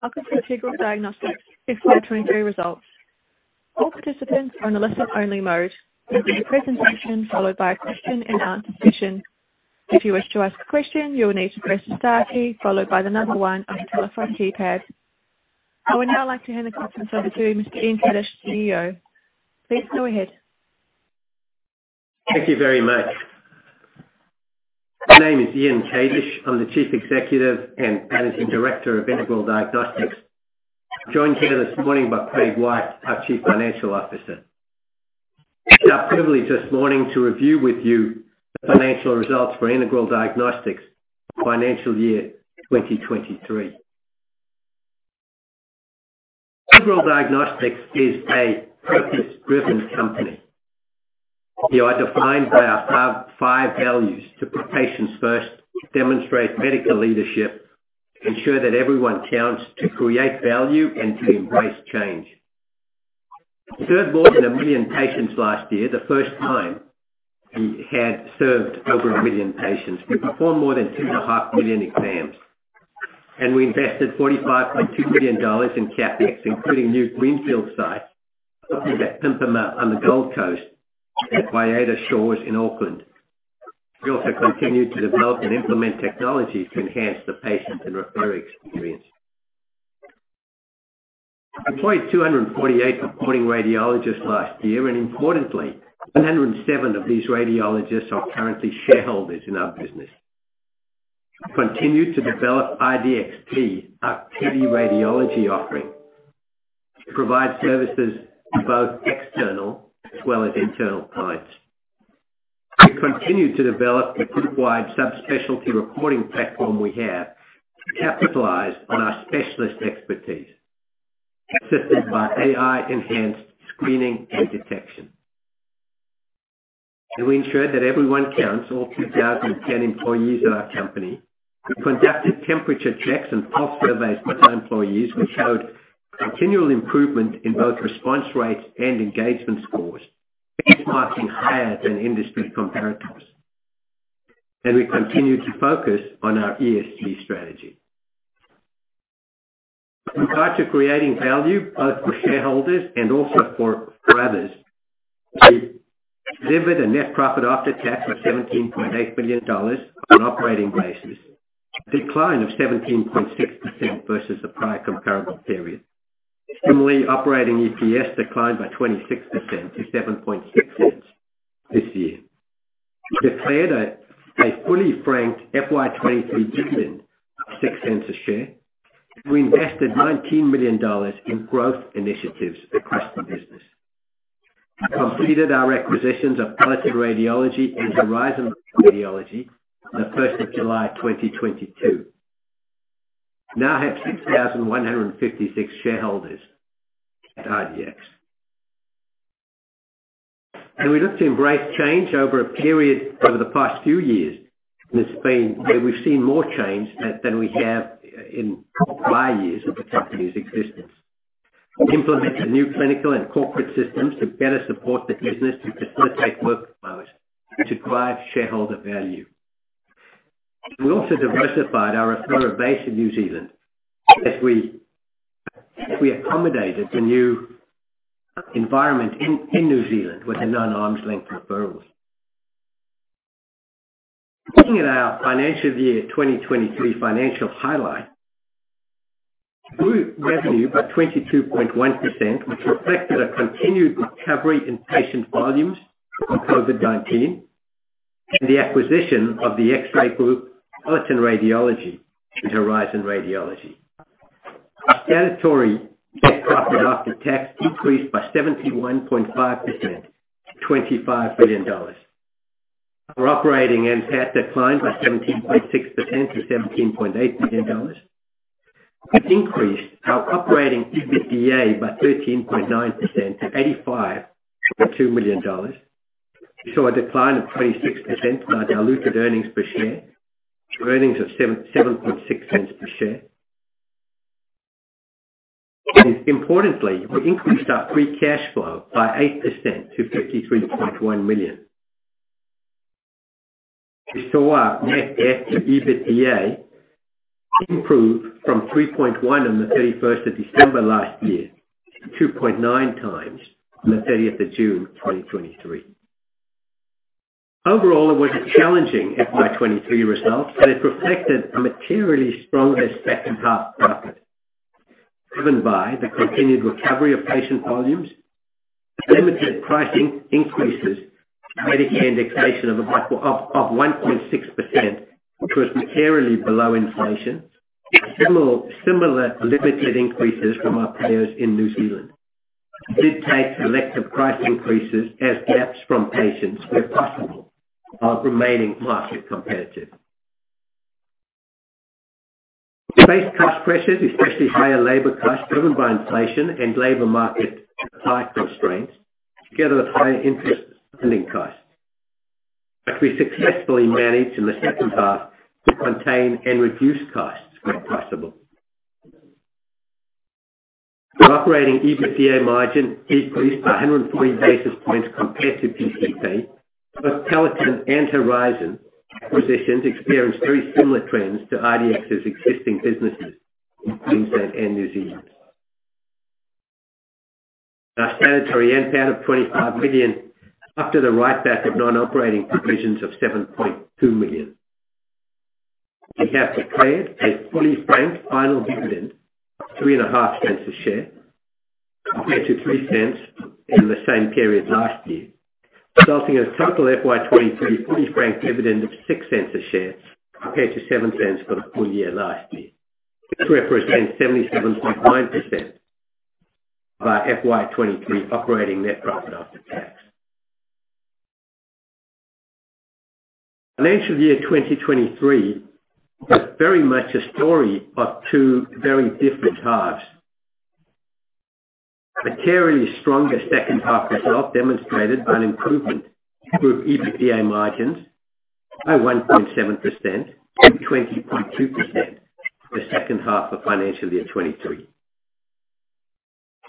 Welcome to Integral Diagnostics FY 2023 results. All participants are on a listen-only mode. There will be a presentation followed by a question-and-answer session. If you wish to ask a question, you will need to press the star key followed by the number one on your telephone keypad. I would now like to hand the conference over to Mr. Ian Kadish, CEO. Please go ahead. Thank you very much. My name is Ian Kadish. I'm the Chief Executive and Managing Director of Integral Diagnostics. I'm joined here this morning by Craig White, our Chief Financial Officer. It's our privilege this morning to review with you the financial results for Integral Diagnostics financial year 2023. Integral Diagnostics is a purpose-driven company. We are defined by our five, five values: to put patients first, demonstrate medical leadership, ensure that everyone counts, to create value, and to embrace change. We served more than a million patients last year, the first time we had served over a million patients. We performed more than 2.5 million exams, and we invested 45.2 million dollars in CapEx, including new greenfield sites at Pimpama on the Gold Coast and Waiata Shores in Auckland. We also continued to develop and implement technologies to enhance the patient and referrer experience. We employed 248 reporting radiologists last year, and importantly, 107 of these radiologists are currently shareholders in our business. We continued to develop IDXt, our teleradiology offering, to provide services to both external as well as internal clients. We continued to develop the group-wide subspecialty reporting platform we have to capitalize on our specialist expertise, assisted by AI-enhanced screening and detection. We ensured that everyone counts, all 2,010 employees of our company. We conducted temperature checks and pulse surveys for our employees, which showed continual improvement in both response rates and engagement scores, benchmarking higher than industry comparators. We continued to focus on our ESG strategy. In order to creating value both for shareholders and also for others, we delivered a net profit after tax of 17.8 million dollars on operating basis, a decline of 17.6% versus the prior comparable period. Similarly, operating EPS declined by 26% to 0.076 this year. We declared a fully franked FY 2023 dividend of 0.06 a share. We invested 19 million dollars in growth initiatives across the business. We completed our acquisitions of Peloton Radiology and Horizon Radiology on the first of July 2022. We now have 6,156 shareholders at IDX. We look to embrace change over the past few years, and it's been where we've seen more change than we have in prior years of the company's existence. We implemented new clinical and corporate systems to better support the business, to facilitate workflows, and to drive shareholder value. We also diversified our referrer base in New Zealand as we accommodated the new environment in New Zealand with the non-arm's length referrals. Looking at our financial year 2023 financial highlight, group revenue by 22.1%, which reflected a continued recovery in patient volumes from COVID-19 and the acquisition of The X-Ray Group, Peloton Radiology and Horizon Radiology. Our statutory net profit after tax increased by 71.5% to 25 million dollars. Our operating NPAT declined by 17.6% to 17.8 million dollars. We increased our operating EBITDA by 13.9% to 85.2 million dollars. We saw a decline of 26% in our diluted earnings per share, to earnings of 7.6 cents per share. And importantly, we increased our free cash flow by 8% to 53.1 million. We saw our net debt to EBITDA improve from 3.1 on the 31st of December last year to 2.9 times on the 30th of June, 2023. Overall, it was a challenging FY 2023 result, but it reflected a materially stronger second half profit, driven by the continued recovery of patient volumes, limited pricing increases, Medicare indexation of about 1.6%, which was materially below inflation. Similar limited increases from our payers in New Zealand. We did take selective price increases as gaps from patients where possible while remaining market competitive. We faced cost pressures, especially higher labor costs, driven by inflation and labor market supply constraints, together with higher interest spending costs. But we successfully managed in the second half to contain and reduce costs where possible. Our operating EBITDA margin decreased 140 basis points compared to PCP. Both Peloton and Horizon positions experienced very similar trends to IDX's existing businesses in Queensland and New Zealand. Our statutory NPAT of 25 million, up to the write-back of non-operating provisions of 7.2 million. We have declared a fully franked final dividend of AUD 0.035 a share, compared to 0.03 in the same period last year, resulting in a total FY 2023 fully franked dividend of 0.06 a share, compared to 0.07 for the full year last year. This represents 77.9% by FY 2023 operating net profit after tax. Financial year 2023 was very much a story of two very different halves. A clearly stronger second half result demonstrated an improvement in group EBITDA margins by 1.7% to 20.2% for the second half of financial year 2023.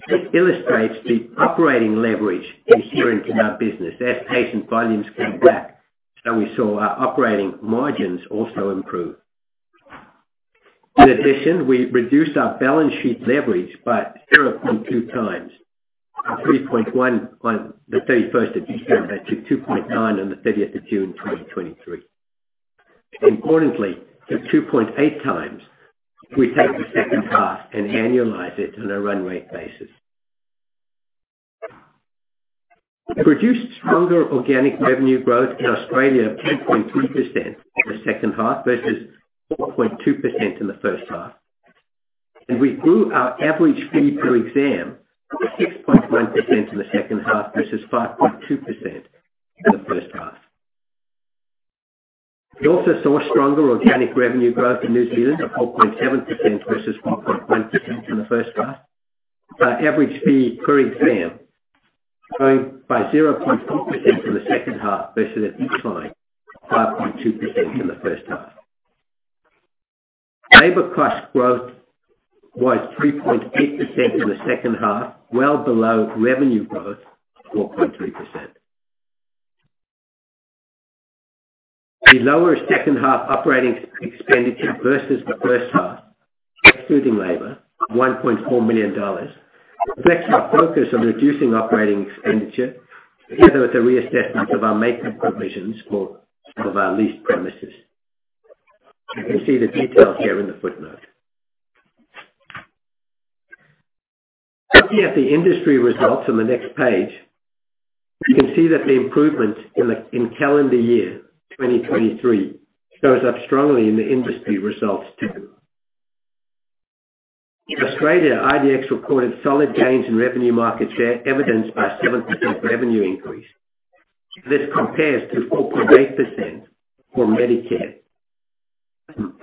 This illustrates the operating leverage inherent in our business. As patient volumes came back, and we saw our operating margins also improve. In addition, we reduced our balance sheet leverage by 0.2x, from 3.1 on the December 31st to 2.9x on the June 30th, 2023. Importantly, to 2.8x, we take the second half and annualize it on a run rate basis. We produced stronger organic revenue growth in Australia of 10.3% in the second half, versus 4.2% in the first half. And we grew our average fee per exam by 6.1% in the second half, versus 5.2% in the first half. We also saw stronger organic revenue growth in New Zealand of 4.7% versus 1.1% in the first half. Our average fee per exam growing by 0.4% in the second half, versus a decline of 5.2% in the first half. Labor cost growth was 3.8% in the second half, well below revenue growth of 4.3%. The lower second half operating expenditure versus the first half, excluding labor, 1.4 million dollars, reflects our focus on reducing operating expenditure, together with a reassessment of our make-up provisions for some of our leased premises. You can see the details here in the footnote. Looking at the industry results on the next page, you can see that the improvement in calendar year 2023 shows up strongly in the industry results, too. In Australia, IDX recorded solid gains in revenue market share, evidenced by 7% revenue increase. This compares to 4.8% for Medicare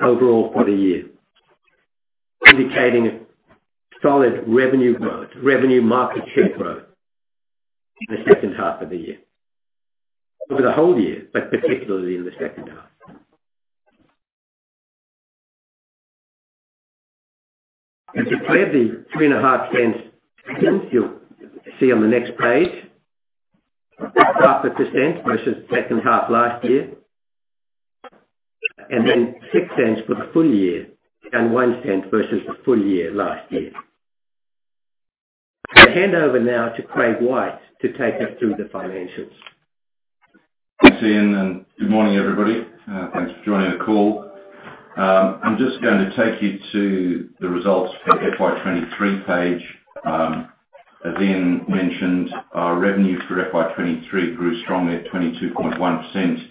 overall for the year, indicating a solid revenue growth, revenue market share growth in the second half of the year. Over the whole year, but particularly in the second half. Declared the AUD 0.025, you'll see on the next page. 0.05 versus second half last year, and then 0.06 for the full year, and 0.01 versus the full year last year. I hand over now to Craig White, to take us through the financials. Thanks, Ian, and good morning, everybody. Thanks for joining the call. I'm just going to take you to the results for FY 2023 page. As Ian mentioned, our revenue for FY 2023 grew strongly at 22.1%,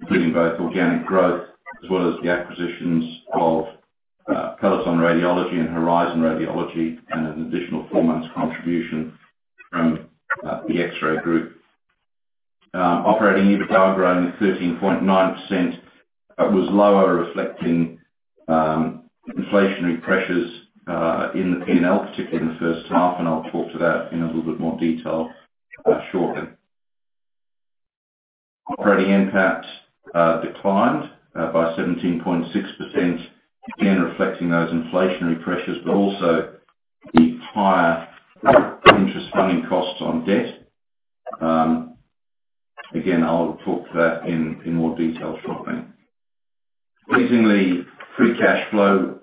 including both organic growth as well as the acquisitions of Peloton Radiology and Horizon Radiology, and an additional four months contribution from the X-Ray Group. Operating EBITDA growing at 13.9% was lower, reflecting inflationary pressures in the P&L, particularly in the first half, and I'll talk to that in a little bit more detail shortly. Operating NPAT declined by 17.6%, again, reflecting those inflationary pressures, but also the higher interest funding costs on debt. Again, I'll talk to that in more detail shortly. Pleasingly, free cash flow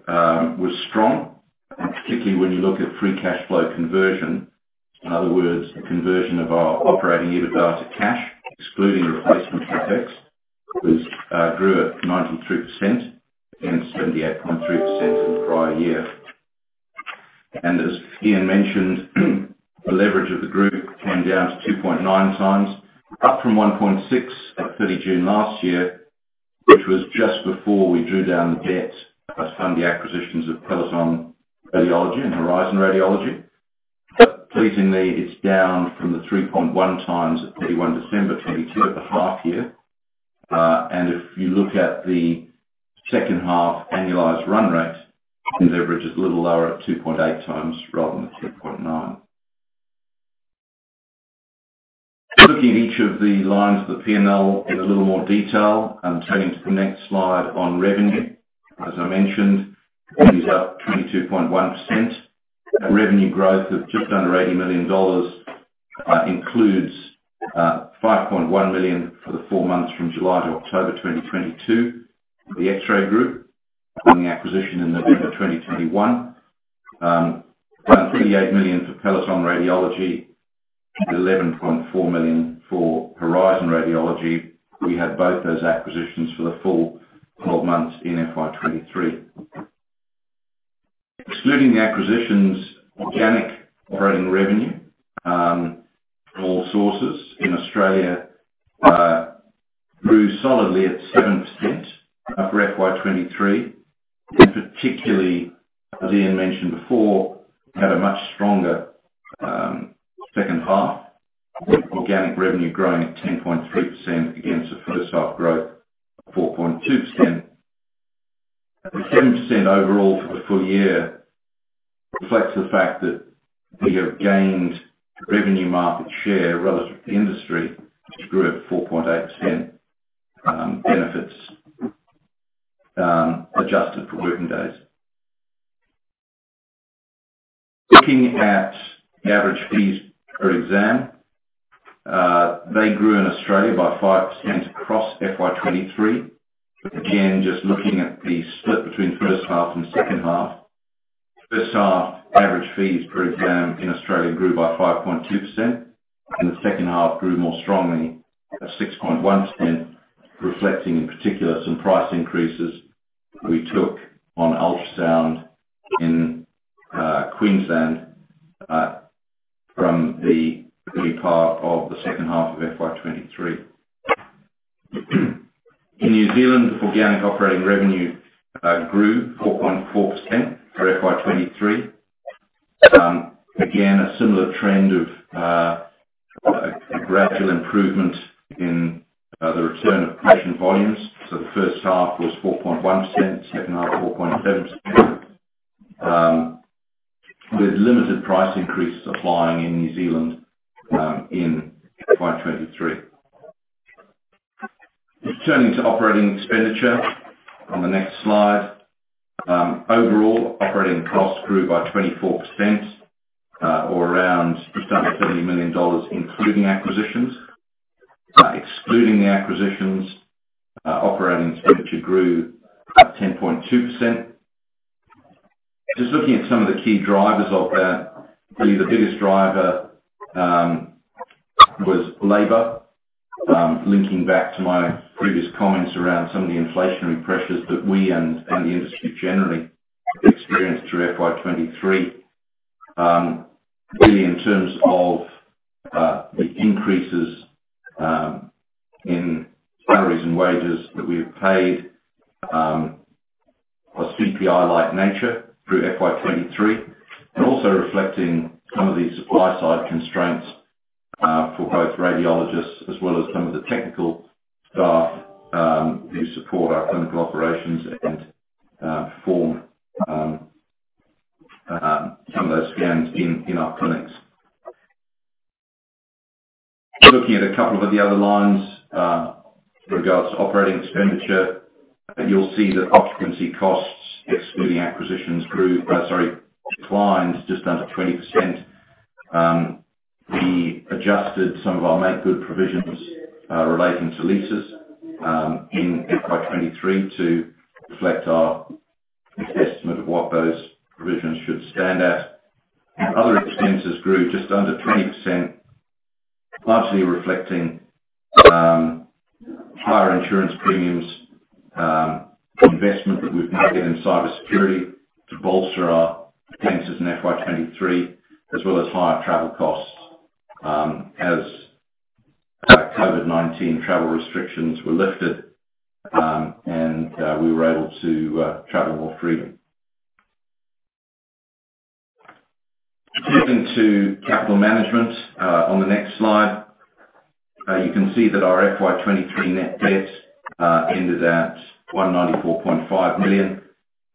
was strong, and particularly when you look at free cash flow conversion. In other words, the conversion of our operating EBITDA to cash, excluding replacement CapEx, was, grew at 93% and 78.3% in the prior year. And as Ian mentioned, the leverage of the group came down to 2.9x, up from 1.6x at June 30 last year, which was just before we drew down the debt as per the acquisitions of Peloton Radiology and Horizon Radiology. Pleasingly, it's down from the 3.1x at December 31 2022, at the half year. If you look at the second half annualized run rate, the leverage is a little lower at 2.8x rather than the 2.9. Each of the lines of the P&L in a little more detail, turning to the next slide on revenue. As I mentioned, it is up 22.1%. Revenue growth of just under 80 million dollars includes 5.1 million for the four months from July to October 2022. The X-Ray Group, including the acquisition in November 2021, 28 million for Peloton Radiology, and 11.4 million for Horizon Radiology. We had both those acquisitions for the full 12 months in FY 2023. Excluding the acquisitions, organic operating revenue, all sources in Australia, grew solidly at 7% for FY 2023. Particularly, as Ian mentioned before, had a much stronger second half, organic revenue growing at 10.3% against the first half growth of 4.2%. The 7% overall for the full year reflects the fact that we have gained revenue market share relative to the industry, which grew at 4.8%, adjusted for working days. Looking at the average fees per exam, they grew in Australia by 5% across FY 2023. Again, just looking at the split between first half and second half. First half, average fees per exam in Australia grew by 5.2%, and the second half grew more strongly at 6.1%, reflecting, in particular, some price increases we took on ultrasound in Queensland from the early part of the second half of FY 2023. In New Zealand, organic operating revenue grew 4.4% for FY 2023. Again, a similar trend of a gradual improvement in the return of patient volumes. So the first half was 4.1%, second half, 4.7%. With limited price increases applying in New Zealand in FY 2023. Turning to operating expenditure on the next slide. Overall, operating costs grew by 24%, or around just under 30 million dollars, including acquisitions. Excluding the acquisitions, operating expenditure grew at 10.2%. Just looking at some of the key drivers of that, really, the biggest driver was labor. Linking back to my previous comments around some of the inflationary pressures that we and the industry generally experienced through FY 2023. Really, in terms of the increases in salaries and wages that we have paid are CPI-like nature through FY 2023, and also reflecting some of the supply-side constraints for both radiologists as well as some of the technical staff who support our clinical operations and perform some of those scans in our clinics. Looking at a couple of the other lines with regards to operating expenditure, you'll see that occupancy costs, excluding acquisitions, grew, sorry, declined just under 20%. We adjusted some of our make-good provisions relating to leases in FY 2023 to reflect our best estimate of what those provisions should stand at. Other expenses grew just under 20%, largely reflecting higher insurance premiums, investment that we've made in cybersecurity to bolster our expenses in FY 2023, as well as higher travel costs, as our COVID-19 travel restrictions were lifted, and we were able to travel more freely. Moving to capital management, on the next slide. You can see that our FY 2023 net debt ended at 194.5 million.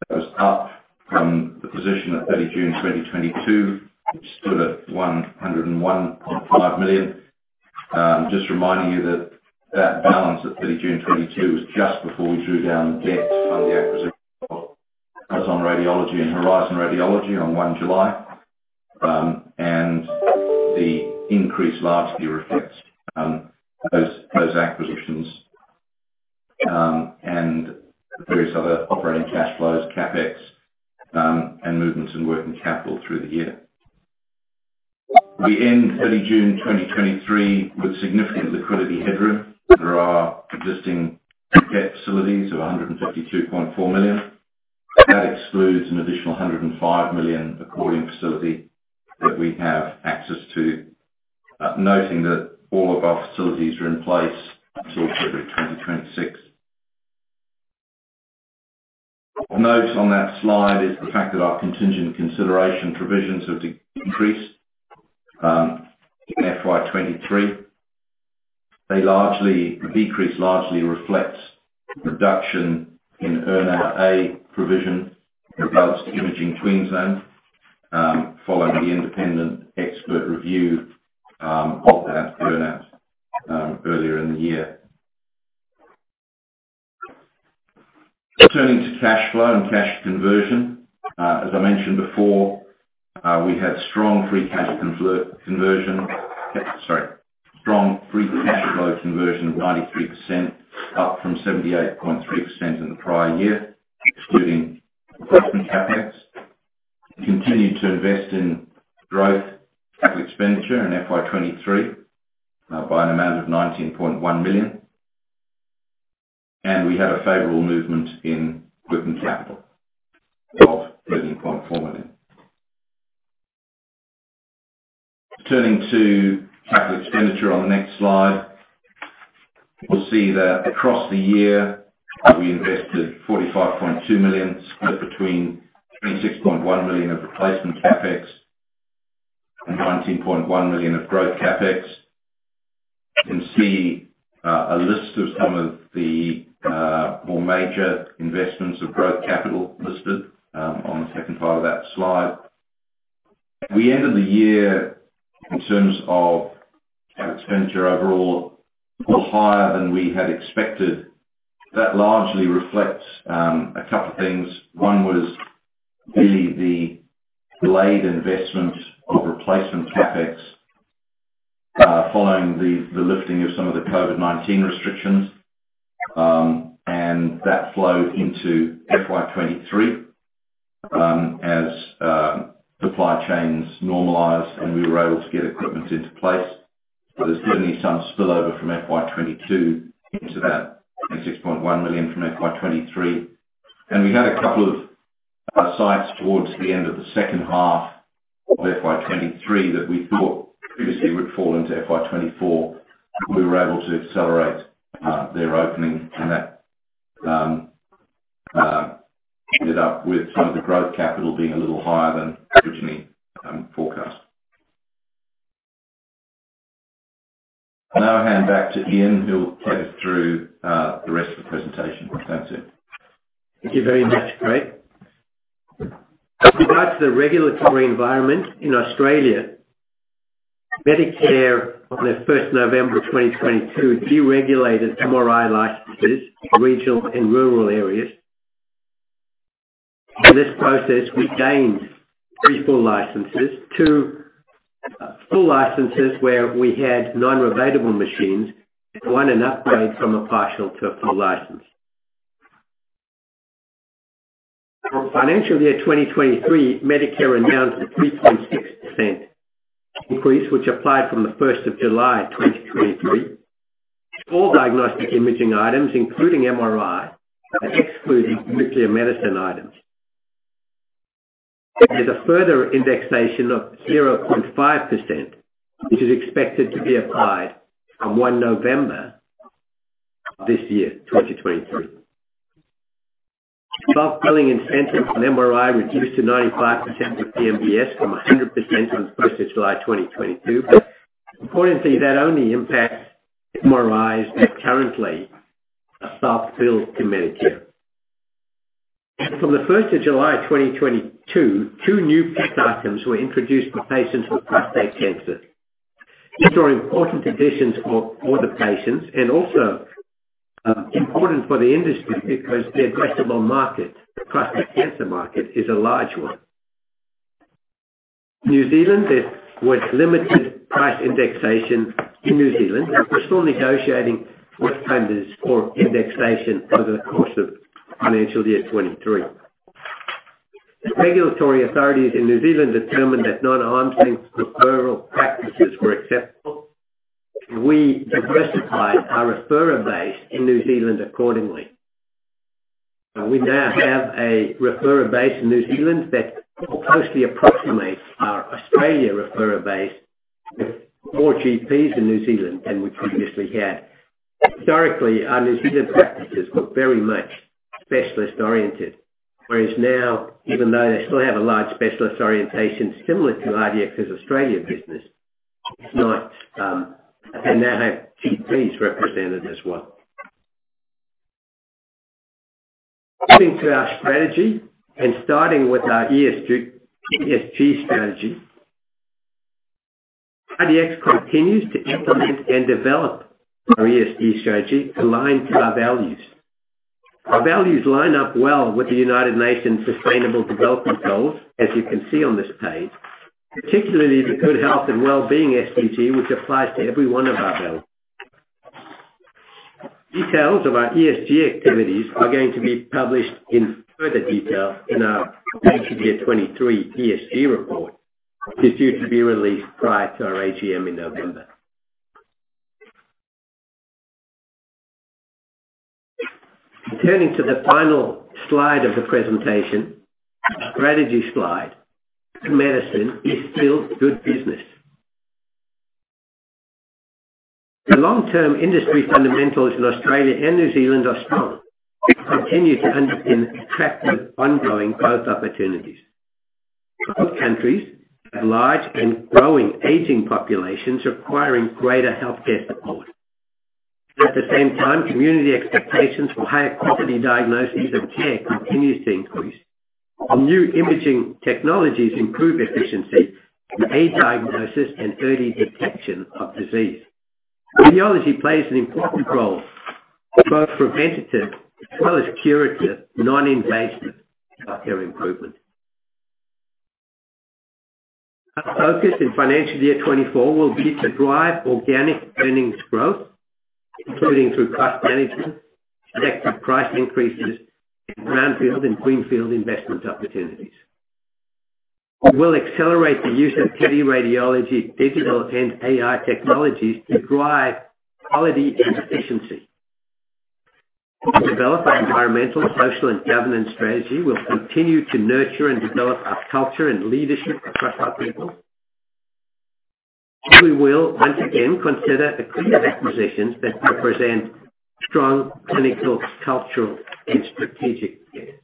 That was up from the position at June 30 2022, which stood at 101.5 million. Just reminding you that that balance at June 30 2022 was just before we drew down the debt on the acquisition of Peloton Radiology and Horizon Radiology on July 1. And the increase largely reflects those acquisitions and various other operating cash flows, CapEx, and movements in working capital through the year. We end June 30 2023 with significant liquidity headroom through our existing debt facilities of 152.4 million. That excludes an additional 105 million accordion facility that we have access to. Noting that all of our facilities are in place until October 2026. Note on that slide is the fact that our contingent consideration provisions have decreased in FY 2023. The decrease largely reflects reduction in earn-out provision in regards to Imaging Queensland. Following the independent expert review of that earn-out earlier in the year. Turning to cash flow and cash conversion. As I mentioned before, we had strong free cash conversion. Sorry, strong free cash flow conversion of 93%, up from 78.3% in the prior year, excluding replacement CapEx. Continued to invest in growth capital expenditure in FY 2023 by an amount of 19.1 million, and we had a favorable movement in working capital of AUD 13.4 million. Turning to capital expenditure on the next slide, you'll see that across the year, we invested 45.2 million, split between 26.1 million of replacement CapEx and 19.1 million of growth CapEx. You can see a list of some of the more major investments of growth capital listed on the second part of that slide. We ended the year, in terms of capital expenditure overall, a little higher than we had expected. That largely reflects a couple of things. One was really the delayed investment of replacement CapEx following the lifting of some of the COVID-19 restrictions. And that flowed into FY 2023 as supply chains normalized and we were able to get equipment into place. But there's certainly some spillover from FY 2022 into that 26.1 million from FY 2023. And we had a couple of sites towards the end of the second half of FY 2023 that we thought previously would fall into FY 2024. We were able to accelerate their opening, and that ended up with some of the growth capital being a little higher than originally forecast. I'll now hand back to Ian, who'll take us through the rest of the presentation. That's it. Thank you very much, Craig. With regards to the regulatory environment in Australia, Medicare, on the first November 2022, deregulated MRI licenses to regional and rural areas. In this process, we gained three full licenses, two full licenses where we had non-rebatable machines, one an upgrade from a partial to a full license. For financial year 2023, Medicare announced a 3.6% increase, which applied from the July 1st 2023. All diagnostic imaging items, including MRI, excluding nuclear medicine items. There's a further indexation of 0.5%, which is expected to be applied on November 1 this year, 2023. Self-billing incentive on MRI reduced to 95% of MBS from 100% on the first of July 2022. Importantly, that only impacts MRIs that currently are self-billed to Medicare. From July 1, 2022, two new PET items were introduced for patients with prostate cancer. These are important additions for the patients and also important for the industry because the addressable market, the prostate cancer market, is a large one. New Zealand, there was limited price indexation in New Zealand. We're still negotiating what time is for indexation over the course of financial year 2023. The regulatory authorities in New Zealand determined that non-arm's length referral practices were acceptable. We diversified our referrer base in New Zealand accordingly. We now have a referrer base in New Zealand that closely approximates our Australia referrer base, with more GPs in New Zealand than we previously had. Historically, our New Zealand practices were very much specialist-oriented. Whereas now, even though they still have a large specialist orientation similar to IDX's Australia business, it's not... They now have GPs represented as well. Getting to our strategy and starting with our ESG, ESG strategy. IDX continues to implement and develop our ESG strategy aligned to our values. Our values line up well with the United Nations Sustainable Development Goals, as you can see on this page, particularly the good health and well-being SDG, which applies to every one of our values. Details of our ESG activities are going to be published in further detail in our financial year 2023 ESG report, which is due to be released prior to our AGM in November. Turning to the final slide of the presentation, the strategy slide. Medicine is still good business. The long-term industry fundamentals in Australia and New Zealand are strong and continue to underpin attractive, ongoing growth opportunities. Both countries have large and growing aging populations requiring greater healthcare support.... At the same time, community expectations for higher quality diagnosis and care continues to increase, while new imaging technologies improve efficiency to aid diagnosis and early detection of disease. Radiology plays an important role, both preventative as well as curative, non-invasive healthcare improvement. Our focus in financial year 2024 will be to drive organic earnings growth, including through cost management, effective price increases, and brownfield and greenfield investment opportunities. We will accelerate the use of teleradiology, digital, and AI technologies to drive quality and efficiency. To develop our environmental, social, and governance strategy, we'll continue to nurture and develop our culture and leadership across our people. We will once again consider acquisitions that represent strong clinical, cultural, and strategic fit.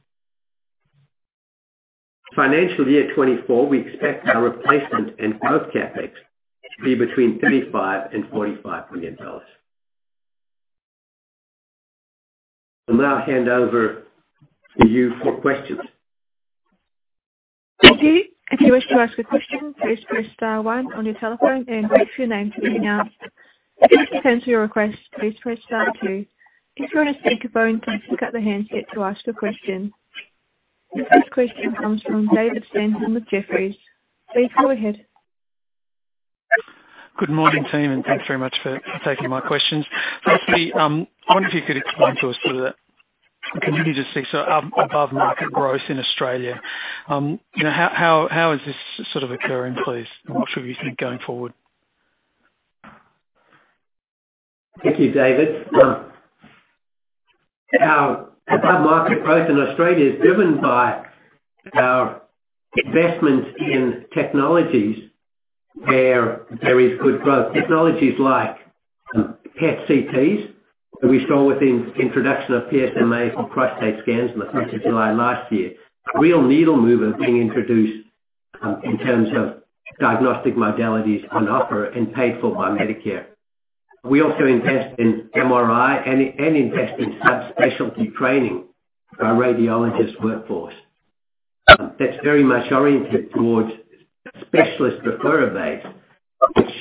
Financial year 2024, we expect our replacement and growth CapEx to be between 35 million and 45 million dollars. I'll now hand over to you for questions. Thank you. If you wish to ask a question, please press star one on your telephone and wait for your name to be announced. If you wish to cancel your request, please press star two. If you're on a speakerphone, please pick up the handset to ask your question. The first question comes from David Stanton with Jefferies. Dave, go ahead. Good morning, team, and thanks very much for taking my questions. Firstly, I wonder if you could explain to us we continue to see so above-market growth in Australia. You know, how is this sort of occurring, please, and what should we think going forward? Thank you, David. Our above-market growth in Australia is driven by our investments in technologies where there is good growth. Technologies like, PET/CTs, that we saw with the introduction of PSMA for prostate scans in the first of July last year. A real needle mover being introduced, in terms of diagnostic modalities on offer and paid for by Medicare. We also invest in MRI and, and invest in subspecialty training for our radiologist workforce. That's very much oriented towards specialist referrers, which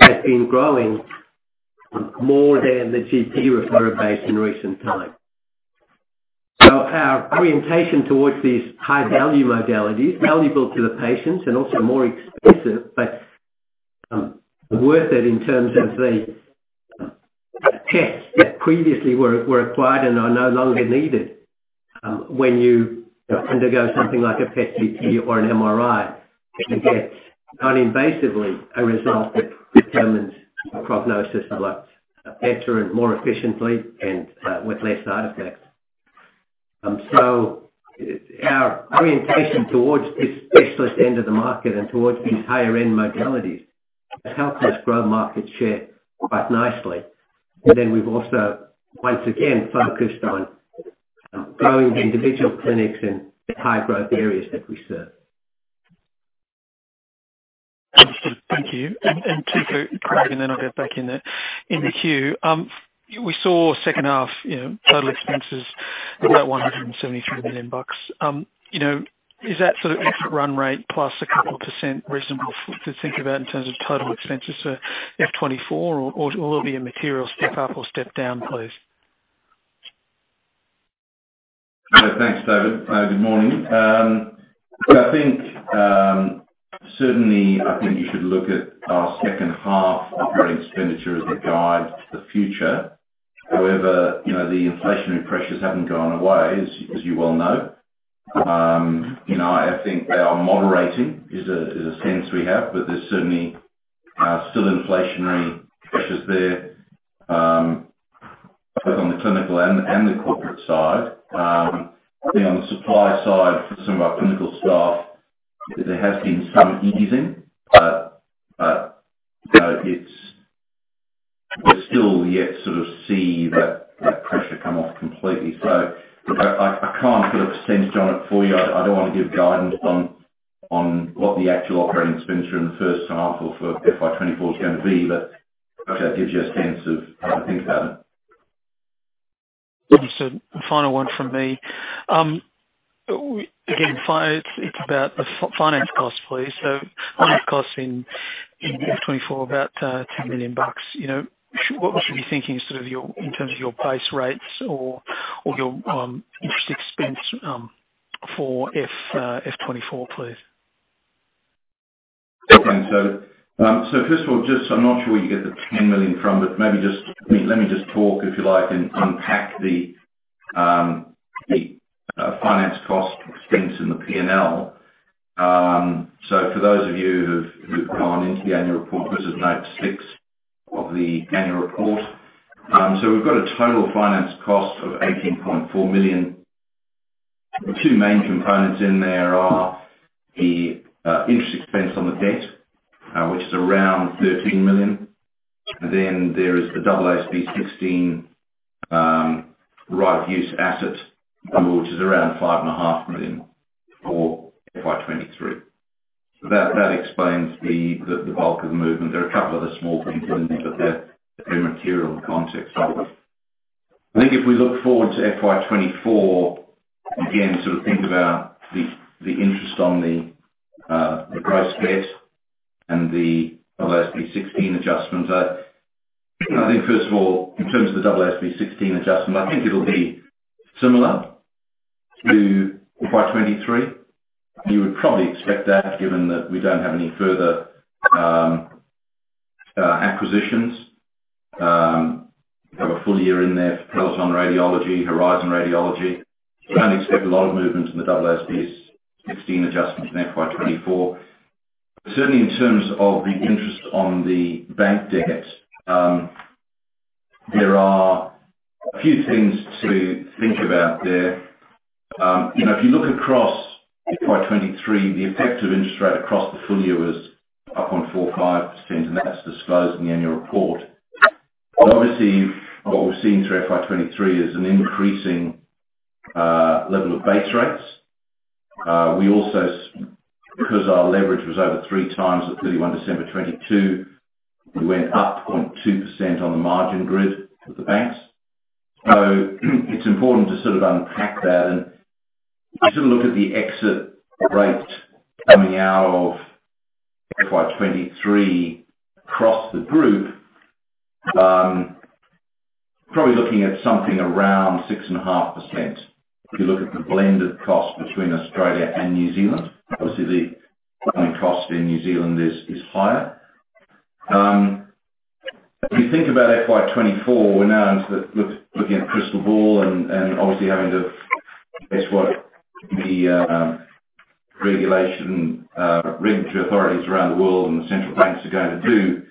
have been growing more than the GP referrers in recent times. So our orientation towards these high-value modalities, valuable to the patients and also more expensive, but worth it in terms of the tests that previously were applied and are no longer needed, when you undergo something like a PET/CT or an MRI, and get non-invasively a result that determines the prognosis a lot better and more efficiently and with less artifacts. So our orientation towards this specialist end of the market and towards these higher-end modalities has helped us grow market share quite nicely. And then we've also, once again, focused on growing individual clinics in high-growth areas that we serve. Understood. Thank you. And to Craig, and then I'll get back in the queue. We saw second half, you know, total expenses of about 173 million bucks. You know, is that sort of run rate plus a couple of percent reasonable to think about in terms of total expenses for FY 2024, or will there be a material step up or step down, please? Thanks, David. Good morning. Look, I think certainly, I think you should look at our second half operating expenditure as a guide to the future. However, you know, the inflationary pressures haven't gone away, as you well know. You know, I think they are moderating, is a sense we have, but there's certainly still inflationary pressures there, both on the clinical and the corporate side. On the supply side, for some of our clinical staff, there has been some easing, but you know, we're still yet to sort of see that pressure come off completely. So I can't put a percentage on it for you. I don't want to give guidance on what the actual operating expenditure in the first half or for FY 2024 is going to be, but hopefully that gives you a sense of how to think about it. Understood. Final one from me. Again, it's about the finance costs, please. So finance costs in FY 2024, about 10 million bucks. You know, what we should be thinking sort of your, in terms of your base rates or your interest expense for FY 2024, please? Okay. So, so first of all, just, I'm not sure where you get the 10 million from, but maybe just, let me just talk, if you like, and unpack the, the, finance cost expense in the P&L. So for those of you who've, who've gone into the annual report, this is note 6 of the annual report. So we've got a total finance cost of 18.4 million. The two main components in there are the, interest expense on the debt, which is around 13 million. Then there is the AASB 16, right of use asset, which is around 5.5 million for FY 2023. So that, that explains the, the, the bulk of the movement. There are a couple other small things in there, but they're immaterial in context. I think if we look forward to FY 2024, again, sort of think about the interest on the purchase debt and the AASB 16 adjustments. I think first of all, in terms of the AASB 16 adjustment, I think it'll be similar to FY 2023. You would probably expect that, given that we don't have any further acquisitions. We have a full year in there for Peloton Radiology, Horizon Radiology. We don't expect a lot of movement in the AASB 16 adjustment in FY 2024. Certainly, in terms of the interest on the bank debt, there are a few things to think about there. You know, if you look across FY 2023, the effective interest rate across the full year was up on 4.5%, and that's disclosed in the annual report. Obviously, what we've seen through FY 2023 is an increasing level of base rates. We also, because our leverage was over 3x at 31 December 2022, we went up 0.2% on the margin grid with the banks. So it's important to sort of unpack that and sort of look at the exit rate coming out of FY 2023 across the group. Probably looking at something around 6.5%. If you look at the blended cost between Australia and New Zealand, obviously the funding cost in New Zealand is higher. If you think about FY 2024, we're now into the looking at a crystal ball and obviously having to guess what the regulatory authorities around the world and the central banks are going to do.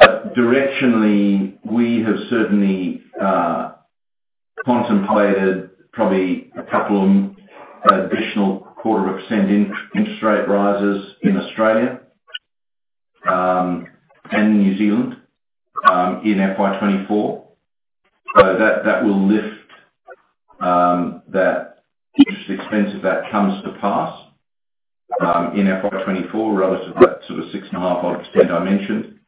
But directionally, we have certainly contemplated probably a couple of additional quarter of percent interest rate rises in Australia and New Zealand in FY 2024. So that will lift that interest expense if that comes to pass in FY 2024, relative to that sort of 6.5-ish spend I mentioned.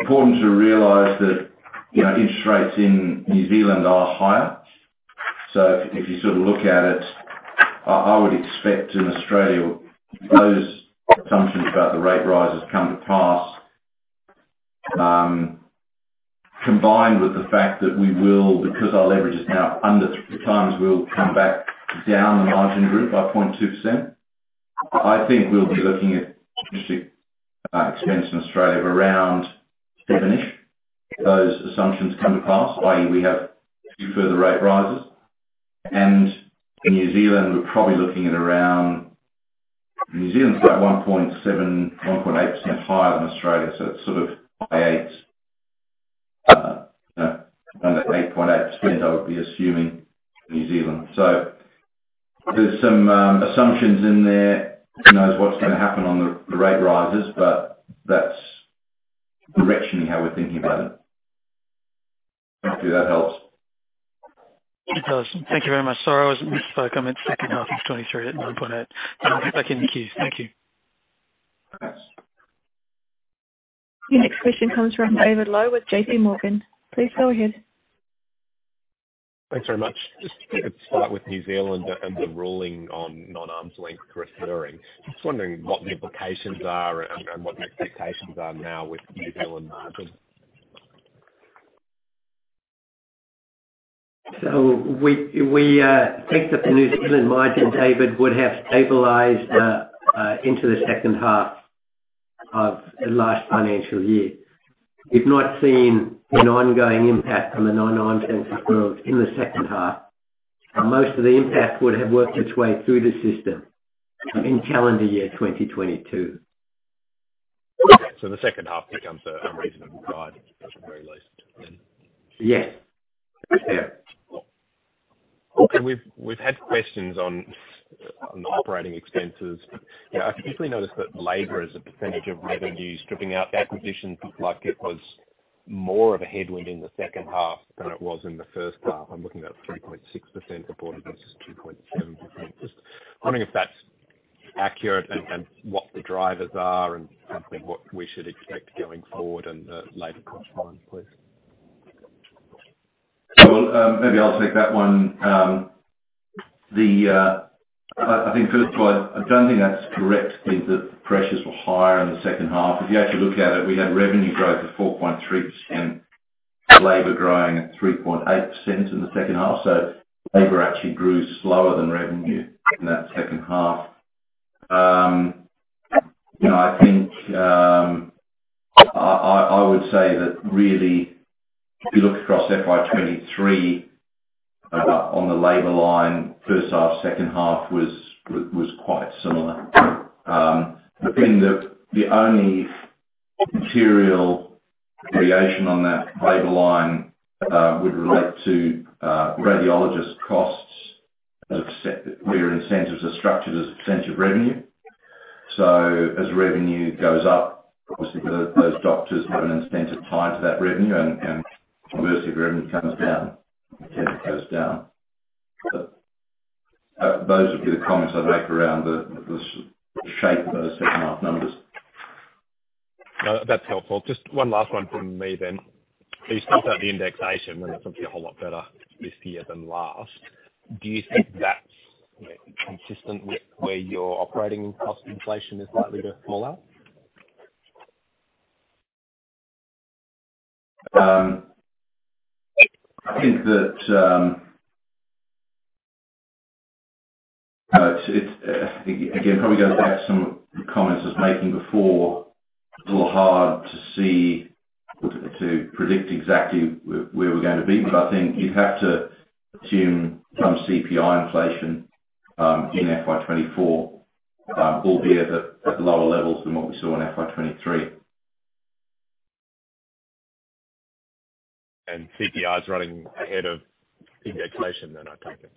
Important to realize that, you know, interest rates in New Zealand are higher. So if you sort of look at it, I would expect in Australia, those assumptions about the rate rises come to pass. Combined with the fact that we will, because our leverage is now under 3x, we'll come back down the margin group by 0.2%. I think we'll be looking at interest expense in Australia of around 7-ish. Those assumptions come to pass, i.e., we have a few further rate rises. In New Zealand, we're probably looking at around... New Zealand's about 1.7-1.8% higher than Australia, so it's sort of 8.8% spend, I would be assuming, New Zealand. So there's some assumptions in there. Who knows what's going to happen on the rate rises, but that's directionally how we're thinking about it. Hopefully that helps. It does. Thank you very much. Sorry, I wasn't mistaken. I meant second half of 2023 at 1.8. Back in the queue. Thank you. The next question comes from David Low with JPMorgan. Please go ahead. Thanks very much. Just to start with New Zealand and the ruling on non-arm's length referring, just wondering what the implications are and what the expectations are now with New Zealand margin? So we think that the New Zealand margin, David, would have stabilized into the second half of the last financial year. We've not seen an ongoing impact on the non-arm's length growth in the second half. Most of the impact would have worked its way through the system in calendar year 2022. The second half becomes an unreasonable guide, at the very least, then? Yes. Yes. We've had questions on the operating expenses. You know, I've usually noticed that labor as a percentage of revenue, stripping out acquisitions, looked like it was more of a headwind in the second half than it was in the first half. I'm looking at 3.6% reported versus 2.7%. Just wondering if that's accurate and what the drivers are and what we should expect going forward in the later correspondence, please? Well, maybe I'll take that one. I think, first of all, I don't think that's correct, is that pressures were higher in the second half. If you actually look at it, we had revenue growth of 4.3%, labor growing at 3.8% in the second half. So labor actually grew slower than revenue in that second half. You know, I think, I would say that really, if you look across FY 2023, on the labor line, first half, second half was quite similar. I think that the only material variation on that labor line would relate to radiologist costs, where incentives are structured as a percent of revenue. So as revenue goes up, obviously those doctors have an incentive tied to that revenue, and obviously, if revenue comes down, it goes down. But those would be the comments I'd make around the shape of those second half numbers. No, that's helpful. Just one last one from me then. You spoke about the indexation, and it's obviously a whole lot better this year than last. Do you think that's, you know, consistent with where your operating cost inflation is likely to fall out? I think that, it's again, probably goes back to some comments I was making before. It's a little hard to see, to predict exactly where we're going to be, but I think you'd have to assume some CPI inflation in FY 2024, albeit at lower levels than what we saw in FY 2023. CPI is running ahead of indexation then, I take it?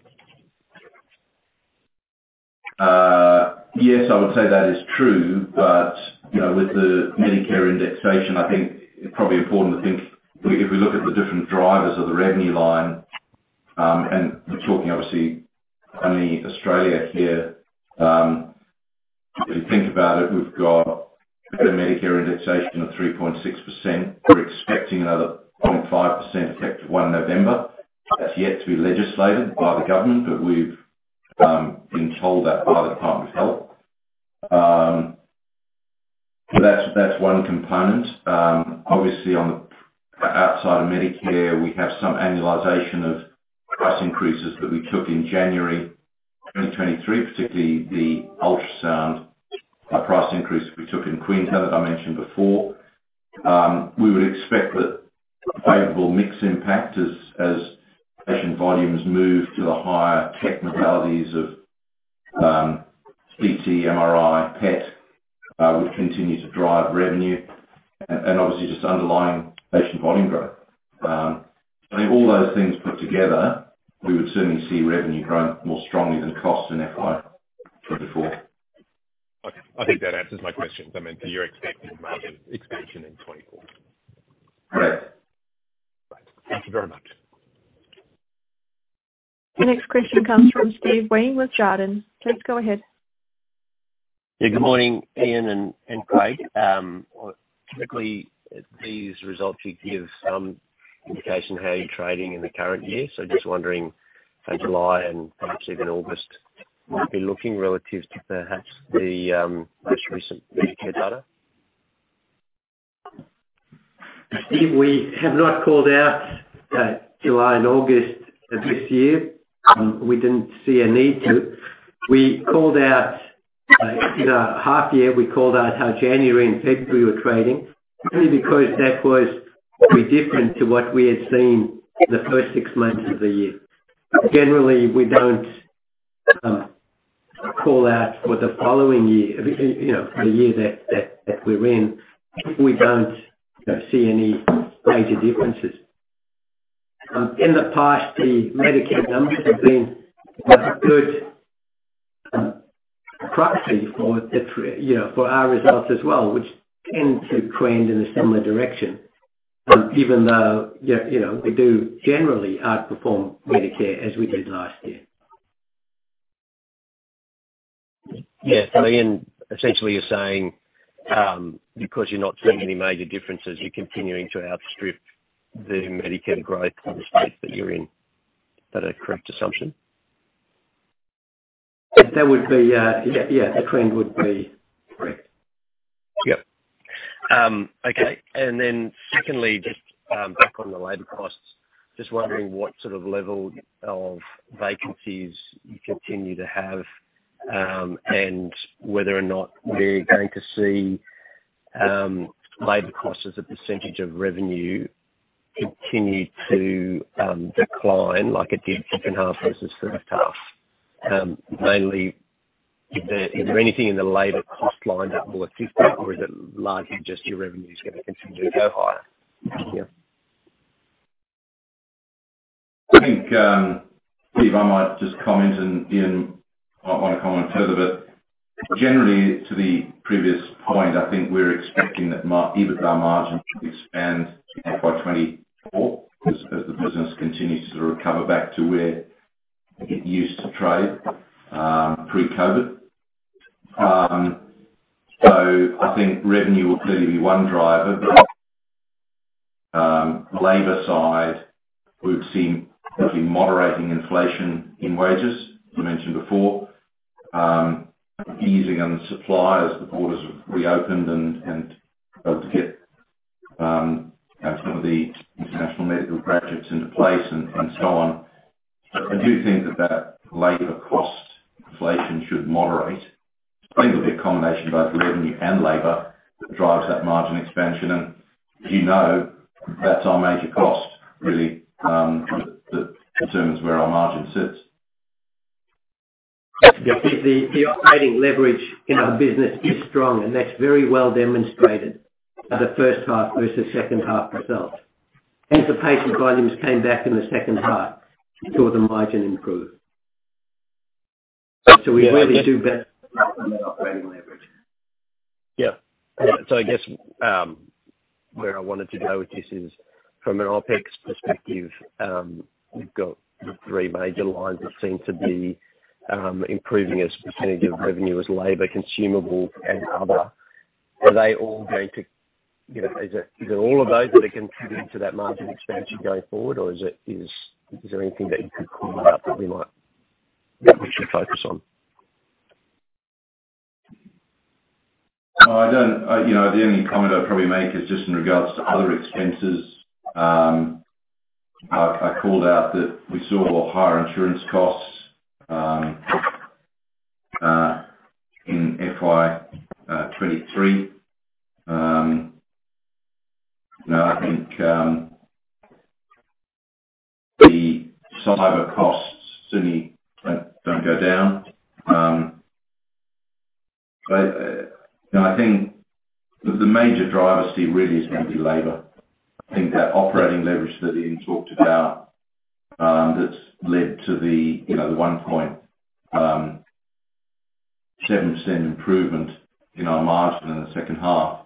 Yes, I would say that is true, but, you know, with the Medicare indexation, I think it's probably important to think, if we look at the different drivers of the revenue line, and we're talking obviously only Australia here. If you think about it, we've got a Medicare indexation of 3.6%. We're expecting another 0.5% effect of 1 November. That's yet to be legislated by the government, but we've been told that by the Department of Health. So that's, that's one component. Obviously, on the outside of Medicare, we have some annualization of price increases that we took in January 2023, particularly the ultrasound price increase we took in Queensland, that I mentioned before. We would expect that favorable mix impact as, as patient volumes move to the higher tech modalities of, CT, MRI, PET, which continue to drive revenue and, and obviously just underlying patient volume growth. I think all those things put together, we would certainly see revenue grow more strongly than costs in FY 2024. Okay. I think that answers my questions. I mean, so you're expecting margin expansion in 2024? Correct. Right. Thank you very much. The next question comes from Steve Wheen with Jarden. Please go ahead. Yeah. Good morning, Ian and Craig. Typically, these results should give some indication how you're trading in the current year. So just wondering, how July and perhaps even August might be looking relative to perhaps the most recent Medicare data? Steve, we have not called out July and August of this year. We didn't see a need to. We called out in our half year, we called out how January and February were trading, mainly because that was pretty different to what we had seen in the first six months of the year. Generally, we don't call out for the following year, you know, for the year that we're in, if we don't see any major differences. In the past, the Medicare numbers have been a good proxy for the, you know, for our results as well, which tend to trend in a similar direction, even though, yeah, you know, we do generally outperform Medicare as we did last year. Yeah. So, Ian, essentially, you're saying, because you're not seeing any major differences, you're continuing to outstrip the Medicare growth in the space that you're in. Is that a correct assumption? That would be, yeah, yeah. The trend would be correct. Yep. Okay, and then secondly, just back on the labor costs. Just wondering what sort of level of vacancies you continue to have, and whether or not we're going to see labor costs as a percentage of revenue continue to decline like it did second half versus first half. Mainly, is there, is there anything in the labor cost line that will assist that, or is it largely just your revenue is going to continue to go higher? Yeah. I think, Steve, I might just comment, and Ian might want to comment further, but generally, to the previous point, I think we're expecting that EBITDA margin should expand by 24 as the business continues to recover back to where it used to trade pre-COVID. So I think revenue will clearly be one driver, labor side, we've seen mostly moderating inflation in wages. You mentioned before, easing on the supply as the borders have reopened and started to get you know, some of the international medical graduates into place and so on. I do think that labor cost inflation should moderate. I think it'll be a combination of both revenue and labor that drives that margin expansion, and you know, that's our major cost, really, that determines where our margin sits. Yeah. The operating leverage in our business is strong, and that's very well demonstrated by the first half versus second half results... The patient volumes came back in the second half, so the margin improved. We really do better operating leverage. Yeah. So I guess, where I wanted to go with this is, from an OpEx perspective, we've got the three major lines that seem to be improving as a percentage of revenue, is labor, consumables, and other. Are they all going to, you know, is it, is it all of those that are contributing to that margin expansion going forward? Or is it, is there anything that you could call out that we might, that we should focus on? No, I don't. You know, the only comment I'd probably make is just in regards to other expenses. I called out that we saw higher insurance costs in FY 2023. Now, I think the cyber costs certainly don't go down. Now, I think the major driver, Steve, really is going to be labor. I think that operating leverage that Ian talked about, that's led to the, you know, the 1.7% improvement in our margin in the second half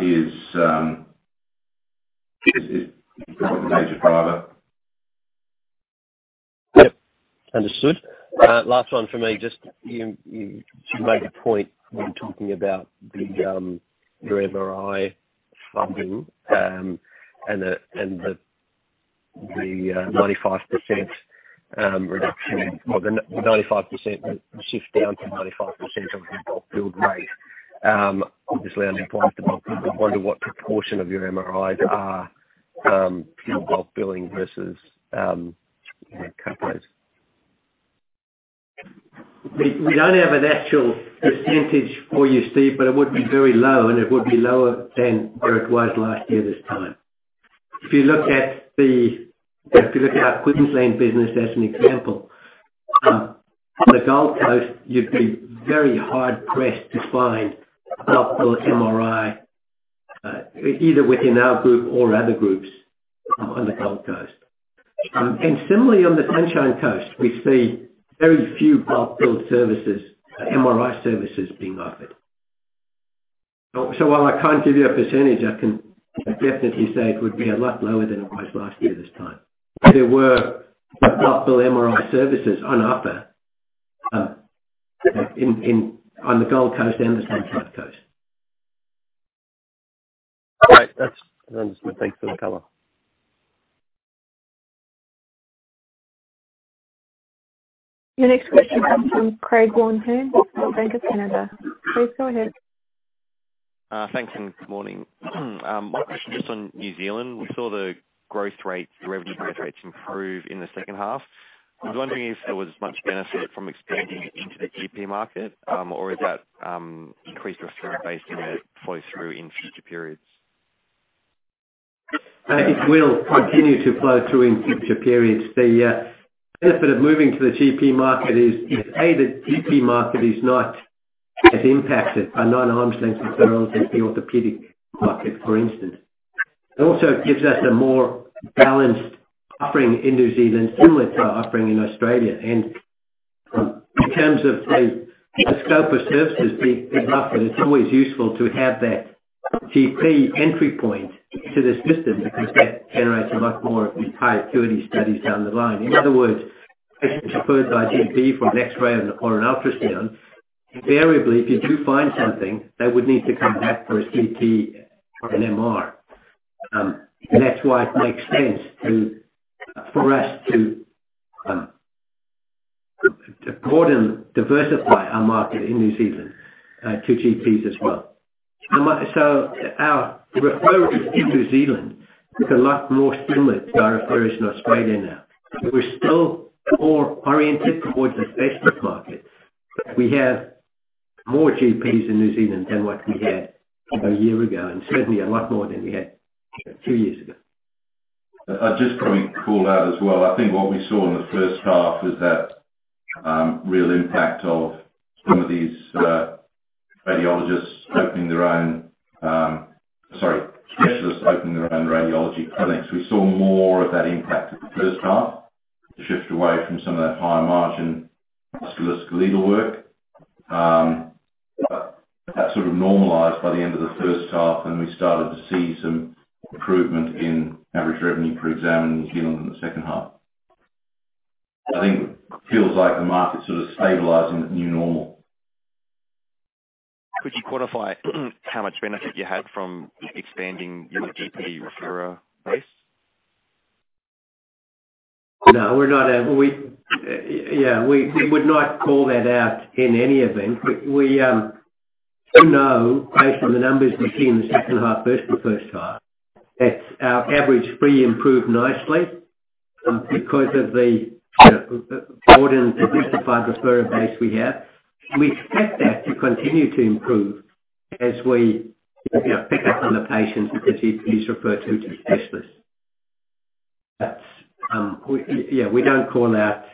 is probably the major driver. Yep. Understood. Last one for me. Just, you made a point when talking about your MRI funding, and the 95% reduction, or the 95% shift down to 95% of the bulk bill rate. Obviously, I'm wondering what proportion of your MRIs are bulk billing versus capitated? We don't have an actual percentage for you, Steve, but it would be very low, and it would be lower than where it was last year this time. If you look at our Queensland business as an example, on the Gold Coast, you'd be very hard-pressed to find a bulk bill MRI, either within our group or other groups on the Gold Coast. And similarly, on the Sunshine Coast, we see very few bulk bill services, MRI services being offered. So while I can't give you a percentage, I can definitely say it would be a lot lower than it was last year this time. There were bulk bill MRI services on offer on the Gold Coast and the Sunshine Coast. All right. That's understood. Thanks for the color. Your next question comes from Craig from Bank of America. Please go ahead. Thanks, and good morning. My question is just on New Zealand. We saw the growth rate, the revenue growth rates improve in the second half. I was wondering if there was much benefit from expanding into the GP market, or is that increased referral base flow through in future periods? It will continue to flow through in future periods. The benefit of moving to the GP market is that the GP market is not as impacted by non-arm's length as relative to the orthopedic market, for instance. It also gives us a more balanced offering in New Zealand, similar to our offering in Australia. In terms of the scope of services being offered, it's always useful to have that GP entry point to the system, because that generates a much more high acuity studies down the line. In other words, patients referred by GP from an X-ray and a coronary ultrasound, invariably, if you do find something, they would need to come back for a CT or an MR. That's why it makes sense for us to broaden, diversify our market in New Zealand to GPs as well. So our referrals in New Zealand look a lot more similar to our referrals in Australia now. We're still more oriented towards the specialist market. We have more GPs in New Zealand than what we had a year ago, and certainly a lot more than we had two years ago. I'd just probably call out as well. I think what we saw in the first half was that, real impact of some of these, radiologists opening their own... Sorry, specialists opening their own radiology clinics. We saw more of that impact in the first half, the shift away from some of that higher margin musculoskeletal work. But that sort of normalized by the end of the first half, and we started to see some improvement in average revenue per exam in New Zealand in the second half. I think it feels like the market sort of stabilizing at the new normal. Could you quantify how much benefit you had from expanding your GP referrer base? No, we're not able. We, yeah, we would not call that out in any event. We, we know based on the numbers we've seen in the second half versus the first half, that our average fee improved nicely, because of the, you know, broadened and diversified referrer base we have. We expect that to continue to improve as we, you know, pick up on the patients that GPs refer to specialists. But, we, yeah, we don't call out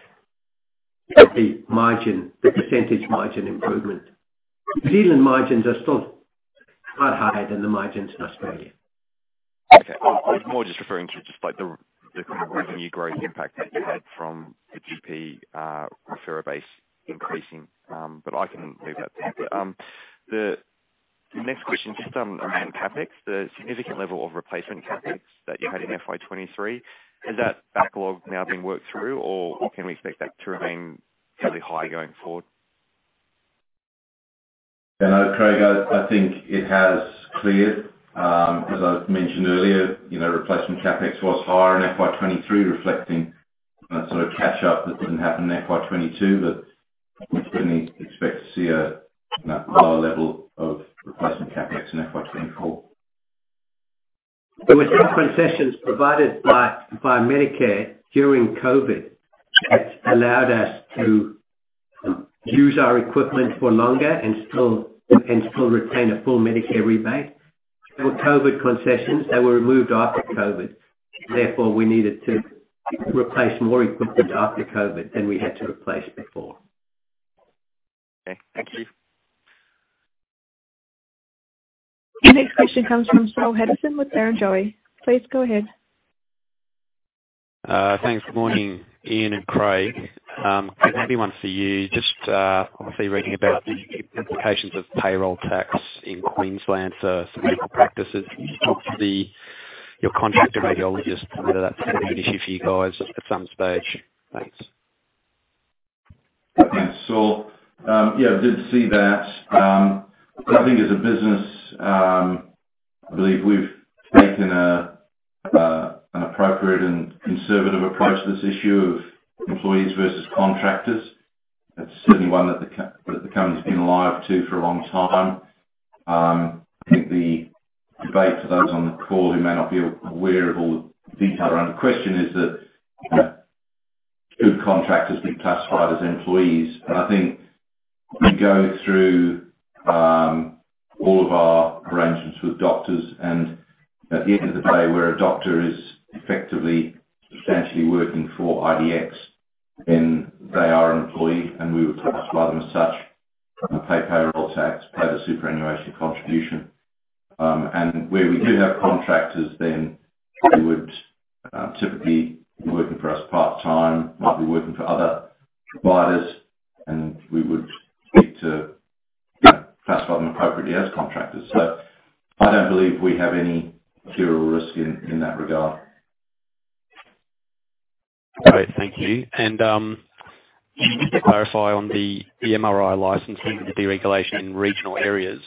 the margin, the percentage margin improvement. New Zealand margins are still quite higher than the margins in Australia. Okay. I was more just referring to just like the kind of revenue growth impact that you had from the GP referral base increasing. But I can leave that. The next question, just on CapEx, the significant level of replacement CapEx that you had in FY 2023, has that backlog now been worked through, or can we expect that to remain fairly high going forward? You know, Craig, I think it has cleared. As I've mentioned earlier, you know, replacement CapEx was higher in FY 2023, reflecting a sort of catch up that didn't happen in FY 2022. But we certainly expect to see a, you know, higher level of replacement CapEx in FY 2024. There were different concessions provided by Medicare during COVID that allowed us to use our equipment for longer and still retain a full Medicare rebate. With COVID concessions, they were removed after COVID. Therefore, we needed to replace more equipment after COVID than we had to replace before. Okay, thank you. The next question comes from Saul Hadassin with Barrenjoey. Please go ahead. Thanks. Good morning, Ian and Craig. Maybe one for you. Just, obviously reading about the implications of payroll tax in Queensland for some medical practices, what's your contract with radiologists, whether that's an issue for you guys at some stage? Thanks. Thanks, Saul. Yeah, I did see that. I think as a business, I believe we've taken a, an appropriate and conservative approach to this issue of employees versus contractors. That's certainly one that that the company's been alive to for a long time. I think the debate, for those on the call who may not be aware of all the detail around the question, is that good contractors being classified as employees. But I think we go through, all of our arrangements with doctors, and at the end of the day, where a doctor is effectively, substantially working for IDX, then they are an employee, and we would classify them as such, pay payroll tax, pay the superannuation contribution. Where we do have contractors, then they would typically be working for us part-time, might be working for other providers, and we would seek to classify them appropriately as contractors. So I don't believe we have any material risk in that regard. Great, thank you. Just to clarify on the MRI licensing, the deregulation in regional areas.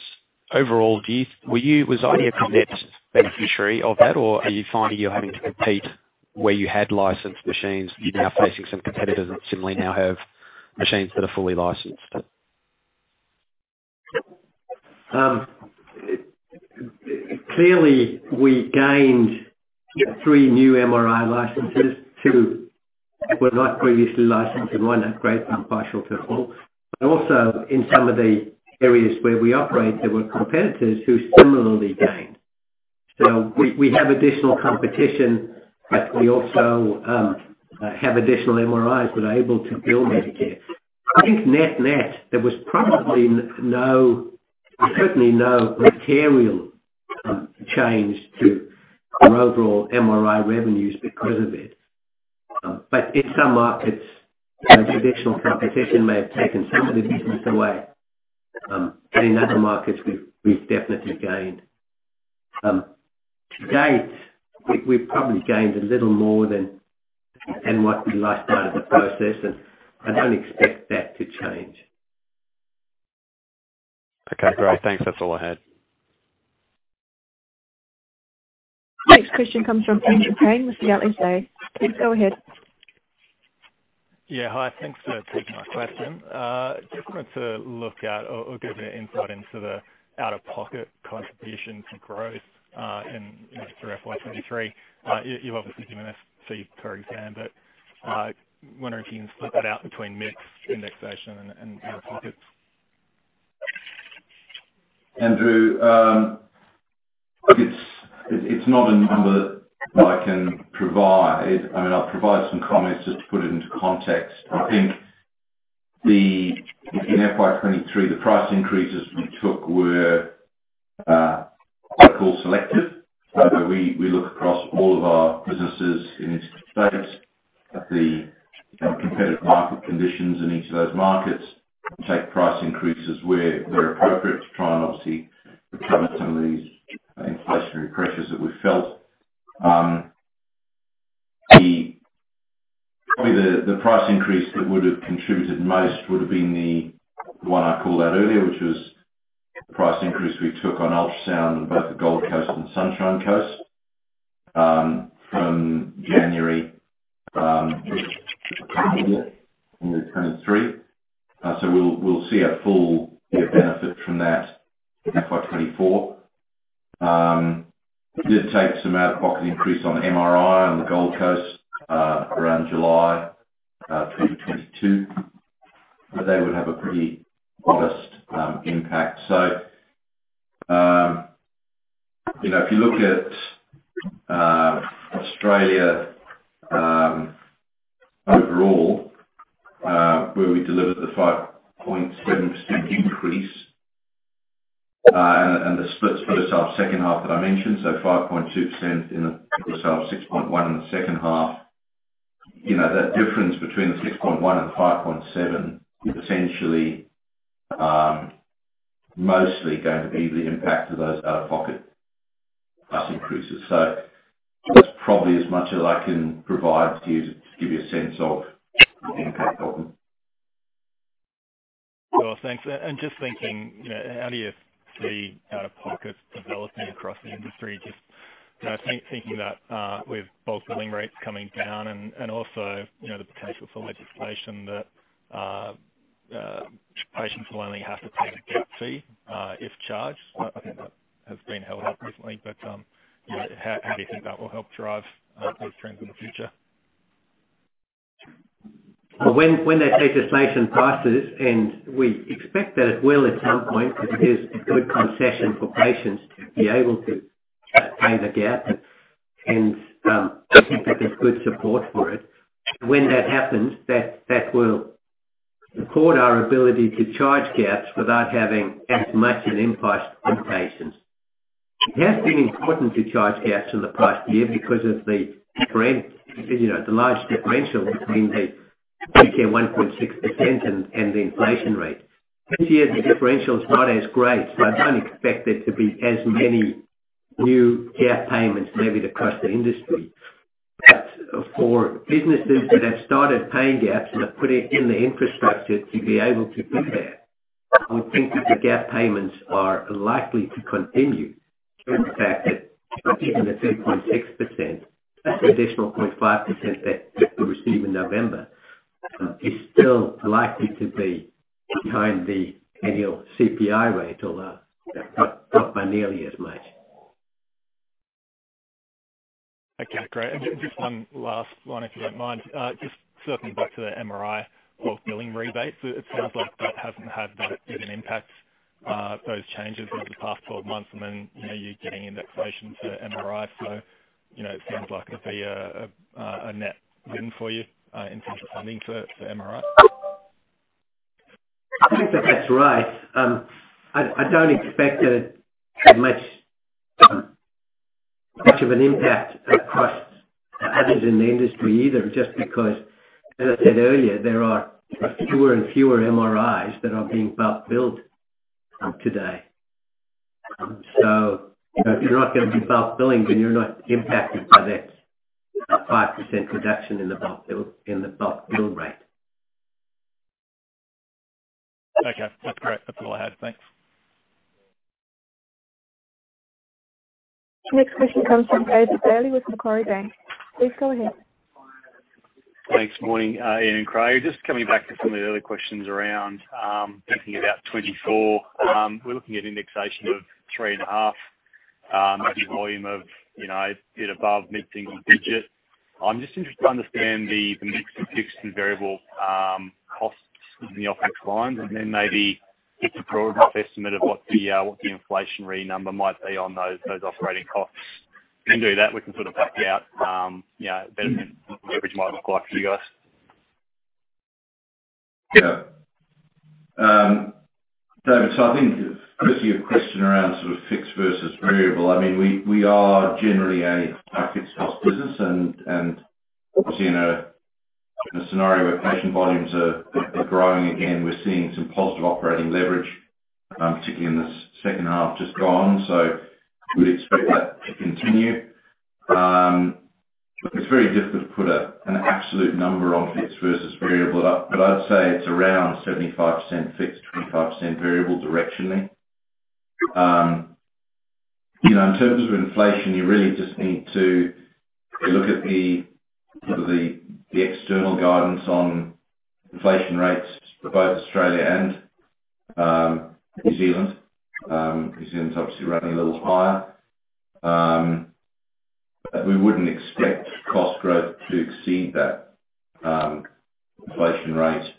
Overall, were you, was IDX a net beneficiary of that, or are you finding you're having to compete where you had licensed machines now facing some competitors that similarly now have machines that are fully licensed? Clearly, we gained three new MRI licenses. Two were not previously licensed, and one had great partial term. But also, in some of the areas where we operate, there were competitors who similarly gained. So we have additional competition, but we also have additional MRIs, we're able to bill Medicare. I think net-net, there was probably no, certainly no material change to our overall MRI revenues because of it. But in some markets, traditional competition may have taken some of the business away. But in other markets, we've definitely gained. To date, we've probably gained a little more than what we lost out of the process, and I don't expect that to change. Okay, great. Thanks. That's all I had. Next question comes from Andrew Payne with SLA. Please go ahead. Yeah, hi, thanks for taking my question. Just wanted to look at or give me an insight into the out-of-pocket contribution to growth in through FY 2023. You've obviously given us fee per exam, but wondering if you can split that out between mix indexation and out-of-pocket. Andrew, it's not a number that I can provide. I mean, I'll provide some comments just to put it into context. I think in FY 2023, the price increases we took were quite selective. So we look across all of our businesses in each state at the competitive market conditions in each of those markets, and take price increases where they're appropriate to try and obviously recover some of these inflationary pressures that we felt. The probably the price increase that would have contributed most would have been the one I called out earlier, which was the price increase we took on ultrasound in both the Gold Coast and Sunshine Coast from January 2023. So we'll see a full year benefit from that in FY 2024. We did take some out-of-pocket increase on MRI on the Gold Coast around July 2022, but they would have a pretty modest impact. You know, if you look at Australia overall, where we delivered the 5.7% increase, and the splits for the first half, second half that I mentioned, so 5.2% in the first half, 6.1% in the second half, you know, that difference between the 6.1% and the 5.7% is essentially mostly going to be the impact of those out-of-pocket cost increases. So that's probably as much as I can provide to you to give you a sense of the impact of them. Cool, thanks. And just thinking, you know, how do you see out-of-pocket developing across the industry? Just thinking about with bulk billing rates coming down and also, you know, the potential for legislation that patients will only have to pay the gap fee, if charged. I think that has been held up recently, but you know, how do you think that will help drive these trends in the future? Well, when that legislation passes, and we expect that it will at some point, because it is a good concession for patients to be able to pay the gap. And I think that there's good support for it. When that happens, that will support our ability to charge gaps without having as much an impact on patients. It has been important to charge gaps in the past year because of the differential, you know, the large differential between the MBS 1.6% and the inflation rate. This year, the differential is not as great, so I don't expect there to be as many new gap payments made across the industry. But for businesses that have started paying gaps and have put in the infrastructure to be able to do that, I would think that the gap payments are likely to continue, given the fact that even the 3.6%, the additional 0.5% that we receive in November, is still likely to be behind the annual CPI rate, although not by nearly as much. Okay, great. And just one last one, if you don't mind. Just circling back to the MRI bulk billing rebates, it sounds like that hasn't had that big an impact, those changes over the past 12 months, and then, you know, you're getting indexation to MRI. So, you know, it sounds like it'd be a net win for you in terms of funding for MRI. I think that's right. I don't expect it to have much of an impact across others in the industry either, just because, as I said earlier, there are fewer and fewer MRIs that are being bulk billed today. So if you're not going to be bulk billing, then you're not impacted by that 5% reduction in the bulk bill rate. Okay. That's great. That's all I had. Thanks. Next question comes from David Bailey with Macquarie Bank. Please go ahead. Thanks. Morning, Ian and Craig. Just coming back to some of the earlier questions around thinking about 2024. We're looking at indexation of 3.5, maybe volume of, you know, a bit above mid-single-digit. I'm just interested to understand the mix of fixed and variable costs in the operating lines, and then maybe get a broad estimate of what the inflationary number might be on those operating costs. If we do that, we can sort of back out, you know, operating leverage might look like for you guys. Yeah. David, so I think first your question around sort of fixed versus variable. I mean, we are generally a fixed cost business, and obviously, in a scenario where patient volumes are growing again, we're seeing some positive operating leverage, particularly in this second half just gone. So we expect that to continue. It's very difficult to put an absolute number on fixed versus variable, but I'd say it's around 75% fixed, 25% variable directionally. You know, in terms of inflation, you really just need to look at the sort of the external guidance on inflation rates for both Australia and New Zealand. New Zealand's obviously running a little higher. But we wouldn't expect cost growth to exceed that inflation rate,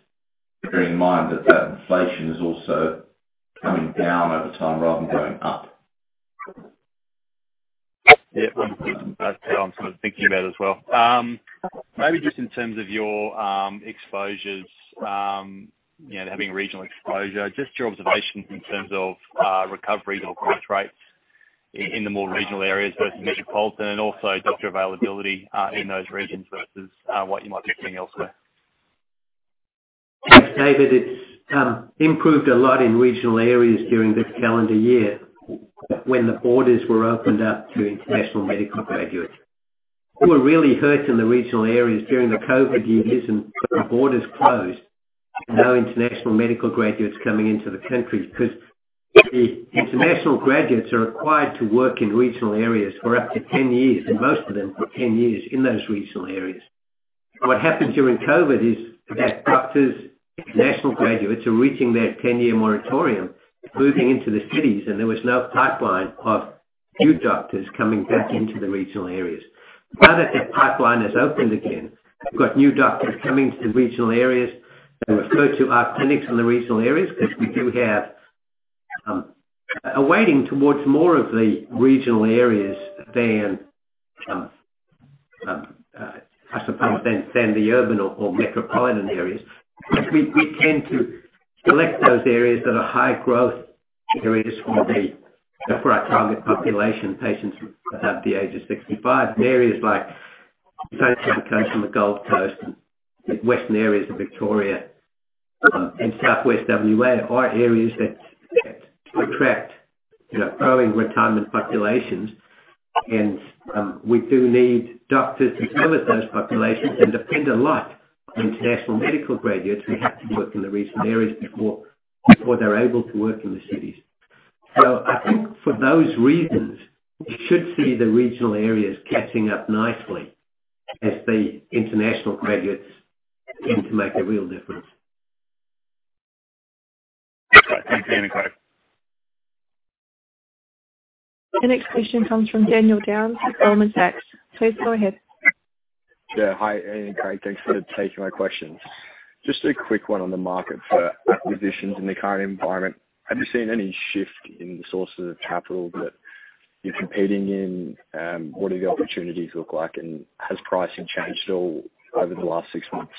bearing in mind that that inflation is also coming down over time rather than going up. Yeah, that's what I'm sort of thinking about as well. Maybe just in terms of your exposures, you know, having regional exposure, just your observations in terms of recovery or growth rates in the more regional areas versus metropolitan, and also doctor availability in those regions versus what you might be seeing elsewhere. Thanks, David. It's improved a lot in regional areas during this calendar year, when the borders were opened up to international medical graduates. We were really hurt in the regional areas during the COVID years and the borders closed, no international medical graduates coming into the country, because the international graduates are required to work in regional areas for up to 10 years, and most of them for 10 years in those regional areas. What happened during COVID is that doctors, international graduates, are reaching that 10-year moratorium, moving into the cities, and there was no pipeline of new doctors coming back into the regional areas. Now that the pipeline has opened again, we've got new doctors coming to the regional areas. They refer to our clinics in the regional areas, because we do have a weighting towards more of the regional areas than I suppose the urban or metropolitan areas. But we tend to select those areas that are high growth areas for our target population, patients above the age of 65. Areas like Sunshine Coast and the Gold Coast, and western areas of Victoria, and southwest WA, are areas that attract, you know, growing retirement populations. And we do need doctors to service those populations, and depend a lot on international medical graduates who have to work in the regional areas before they're able to work in the cities. So I think for those reasons, you should see the regional areas catching up nicely as the international graduates begin to make a real difference. Okay, thanks, Ian and Craig. The next question comes from Daniel Downes with Goldman Sachs. Please go ahead. Yeah. Hi, Ian and Craig. Thanks for taking my questions. Just a quick one on the market for acquisitions in the current environment. Have you seen any shift in the sources of capital that you're competing in? What do the opportunities look like, and has pricing changed at all over the last six months?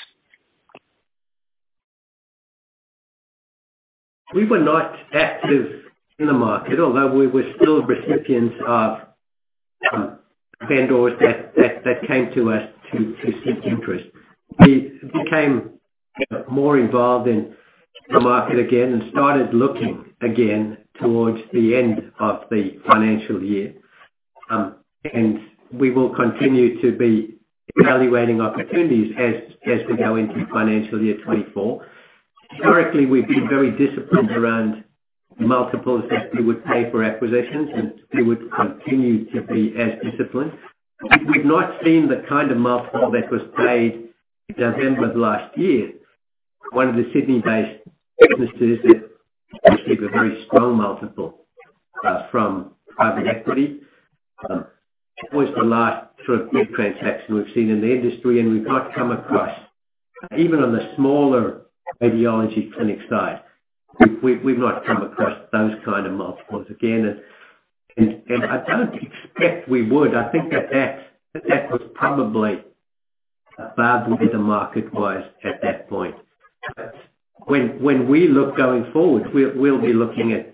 We were not active in the market, although we were still recipients of vendors that came to us to seek interest. We became more involved in the market again and started looking again towards the end of the financial year. And we will continue to be evaluating opportunities as we go into financial year 2024. Historically, we've been very disciplined around multiples that we would pay for acquisitions, and we would continue to be as disciplined. We've not seen the kind of multiple that was paid in November of last year. One of the Sydney-based businesses that received a very strong multiple from private equity. That was the last sort of big transaction we've seen in the industry, and we've not come across, even on the smaller radiology clinic side, we've not come across those kind of multiples again. And I don't expect we would. I think that was probably a bubble where the market was at that point. But when we look going forward, we'll be looking at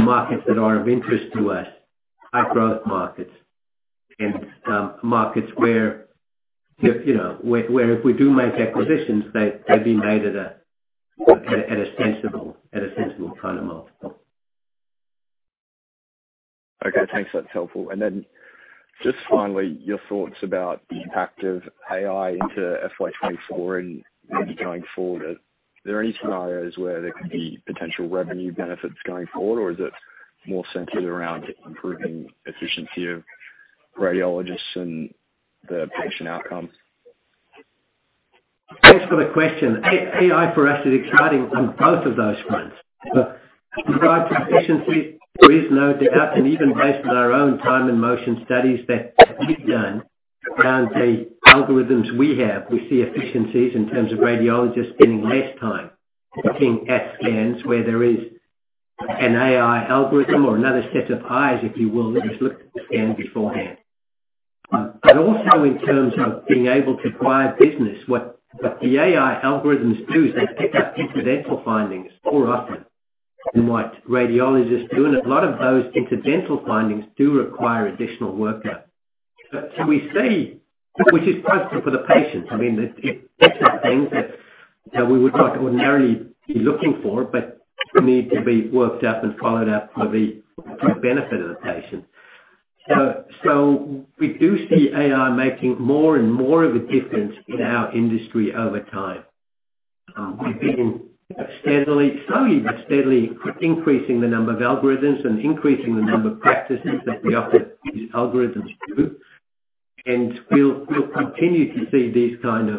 markets that are of interest to us, high growth markets and markets where, you know, where if we do make acquisitions, they'd be made at a sensible kind of multiple. Okay, thanks. That's helpful. And then, just finally, your thoughts about the impact of AI into FY24 and maybe going forward. Are there any scenarios where there could be potential revenue benefits going forward, or is it more centered around improving efficiency of radiologists and the patient outcomes? Thanks for the question. AI for us is exciting on both of those fronts. But in regard to efficiency, there is no doubt, and even based on our own time and motion studies that we've done around the algorithms we have, we see efficiencies in terms of radiologists spending less time looking at scans, where there is an AI algorithm or another set of eyes, if you will, that has looked at the scan beforehand. But also in terms of being able to acquire business, what the AI algorithms do is they pick up incidental findings more often than what radiologists do, and a lot of those incidental findings do require additional workup. So we see, which is positive for the patients, I mean, it's pick up things that we would not ordinarily be looking for, but need to be worked up and followed up for the, for the benefit of the patient. So we do see AI making more and more of a difference in our industry over time. We've been steadily, slowly, but steadily increasing the number of algorithms and increasing the number of practices that we offer these algorithms to, and we'll continue to see this kind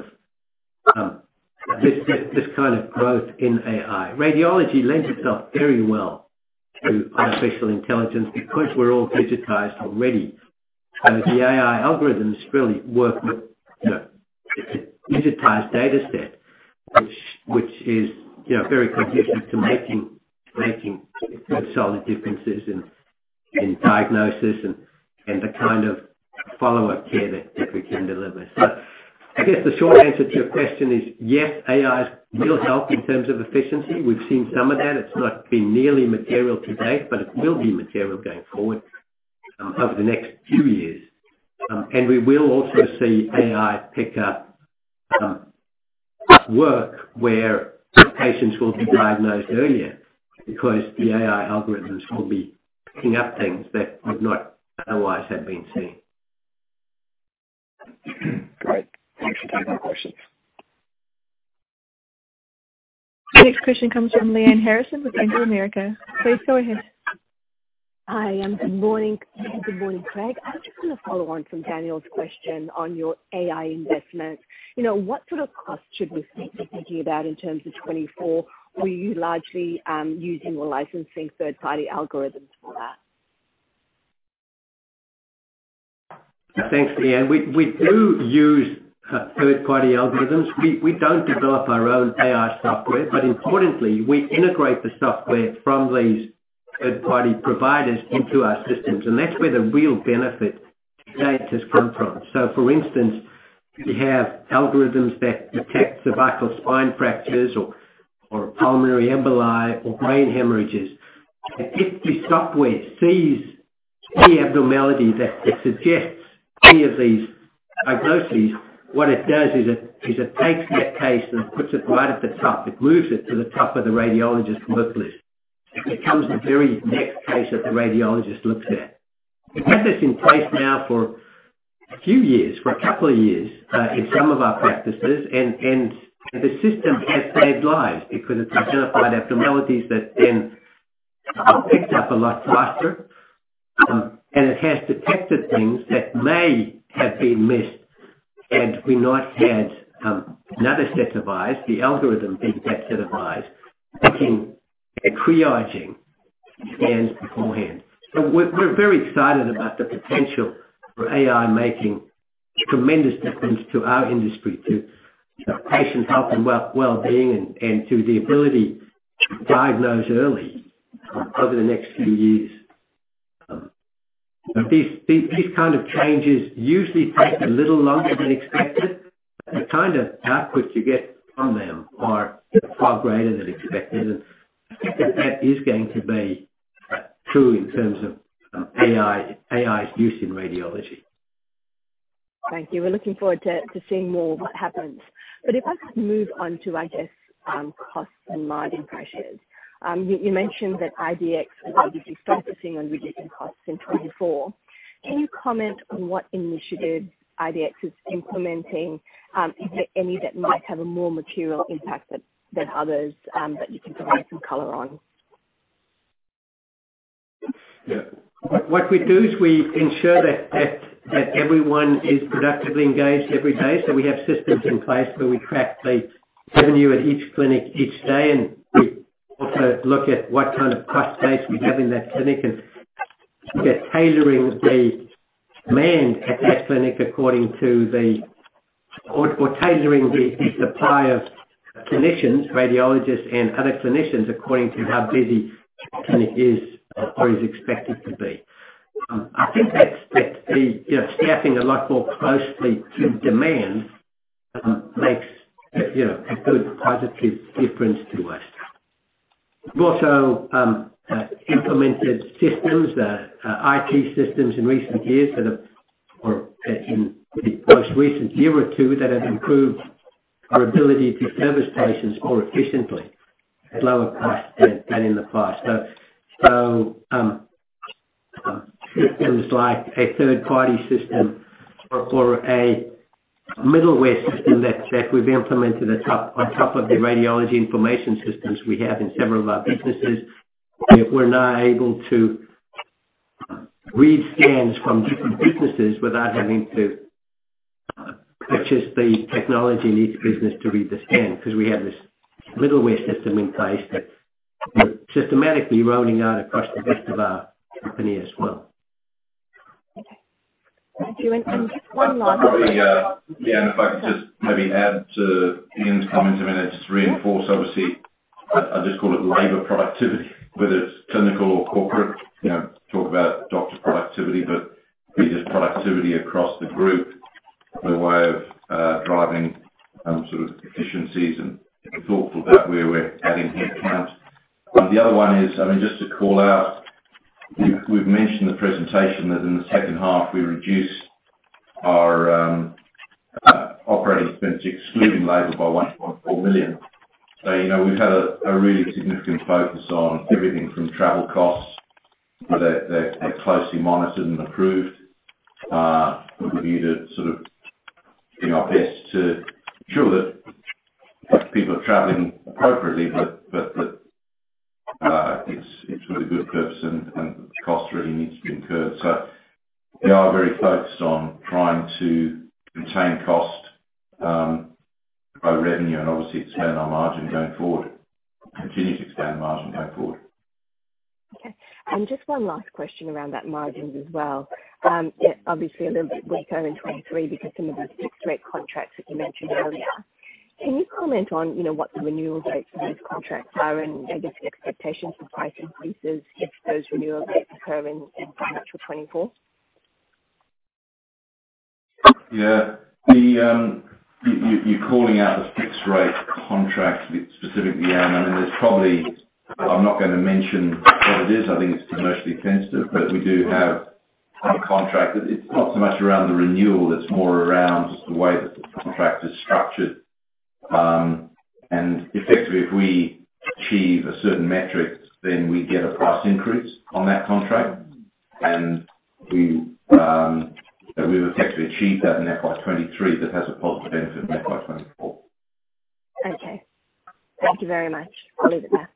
of growth in AI. Radiology lends itself very well to artificial intelligence because we're all digitized already. So the AI algorithms really work with, you know, digitized data set, which is, you know, very conducive to making solid differences in diagnosis and the kind of follow-up care that we can deliver. So I guess the short answer to your question is, yes, AI will help in terms of efficiency. We've seen some of that. It's not been nearly material to date, but it will be material going forward over the next few years. And we will also see AI pick up work where patients will be diagnosed earlier, because the AI algorithms will be picking up things that would not otherwise have been seen. Great. Thanks for taking my questions. Next question comes from Lyanne Harrison with Bank of America. Please go ahead. Hi, and good morning. Good morning, Craig. I was just gonna follow on from Daniel's question on your AI investments. You know, what sort of costs should we be thinking about in terms of 2024? Were you largely using or licensing third-party algorithms for that?... Yeah, thanks, Lyanne. We, we do use third-party algorithms. We, we don't develop our own AI software, but importantly, we integrate the software from these third-party providers into our systems, and that's where the real benefit to date has come from. So for instance, we have algorithms that detect cervical spine fractures or pulmonary emboli, or brain hemorrhages. If the software sees any abnormality that suggests any of these diagnoses, what it does is it takes that case and puts it right at the top. It moves it to the top of the radiologist's work list. It becomes the very next case that the radiologist looks at. We've had this in place now for a few years, for a couple of years, in some of our practices, and the system has saved lives because it's identified abnormalities that then are picked up a lot faster. And it has detected things that may have been missed, had we not had another set of eyes, the algorithm being that set of eyes, making a triaging beforehand. So we're very excited about the potential for AI, making a tremendous difference to our industry, to, you know, patient health and well-being, and to the ability to diagnose early over the next few years. These kind of changes usually take a little longer than expected. The kind of output you get from them are far greater than expected, and that is going to be true in terms of AI, AI's use in radiology. Thank you. We're looking forward to seeing more of what happens. But if I could move on to, I guess, costs and margin pressures. You mentioned that IDX is obviously focusing on reducing costs in 2024. Can you comment on what initiatives IDX is implementing? Is there any that might have a more material impact than others, that you can provide some color on? Yeah. What we do is we ensure that everyone is productively engaged every day. So we have systems in place where we track the revenue at each clinic each day, and we also look at what kind of cost base we have in that clinic, and we're tailoring the demand at that clinic according to the, or tailoring the supply of clinicians, radiologists, and other clinicians, according to how busy the clinic is or is expected to be. I think that's the, you know, staffing a lot more closely to demand makes, you know, a good positive difference to us. We've also implemented systems, IT systems in recent years that have, or in the most recent year or two, that have improved our ability to service patients more efficiently at lower cost than in the past. So, systems like a third-party system or a middleware system that we've implemented on top of the radiology information systems we have in several of our businesses. We're now able to read scans from different businesses without having to purchase the technology in each business to read the scan, because we have this middleware system in place that we're systematically rolling out across the rest of our company as well. Okay. Thank you. And just one last- Probably, yeah, and if I could just maybe add to Ian's comments, I mean, just to reinforce, obviously, I, I'll just call it labor productivity, whether it's clinical or corporate, you know, talk about doctor productivity, but it is productivity across the group as a way of driving sort of efficiencies and thoughtful that way we're adding headcount. The other one is, I mean, just to call out, we've mentioned the presentation that in the second half, we reduced our operating expenses, excluding labor by 1.4 million. So, you know, we've had a really significant focus on everything from travel costs, so that they're closely monitored and approved. We review to sort of do our best to ensure that people are traveling appropriately, but it's for the good purpose and cost really needs to be incurred. So we are very focused on trying to contain cost by revenue, and obviously expand our margin going forward. Continue to expand margin going forward. Okay. Just one last question around that margins as well. Yeah, obviously a little bit weaker in 2023 because some of the fixed rate contracts that you mentioned earlier. Can you comment on, you know, what the renewal dates for these contracts are and, I guess, the expectations for price increases if those renewal dates occur in financial 2024? Yeah. You calling out the fixed rate contracts specifically, and I mean, there's probably... I'm not gonna mention what it is. I think it's commercially sensitive, but we do have a contract that it's not so much around the renewal, it's more around the way that the contract is structured. And effectively, if we achieve a certain metric, then we get a price increase on that contract, and we would effectively achieve that in FY 2023, that has a positive benefit in FY 2024. Okay. Thank you very much. I'll leave it there.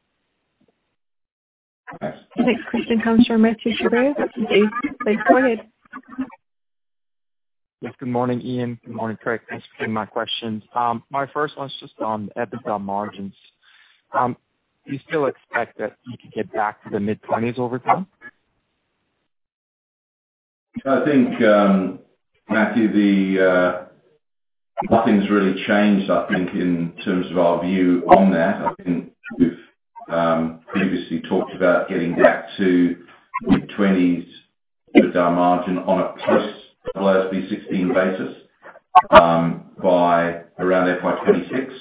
Thanks. The next question comes from Matthew Shapiro. Please go ahead. Yes, good morning, Ian. Good morning, Craig. Thanks for taking my questions. My first one is just on EBITDA margins... Do you still expect that you can get back to the mid-20s over time? I think, Matthew, nothing's really changed, I think, in terms of our view on that. I think we've previously talked about getting back to mid-20s EBITDA margin on a post-FY 2016 basis, by around FY 2026.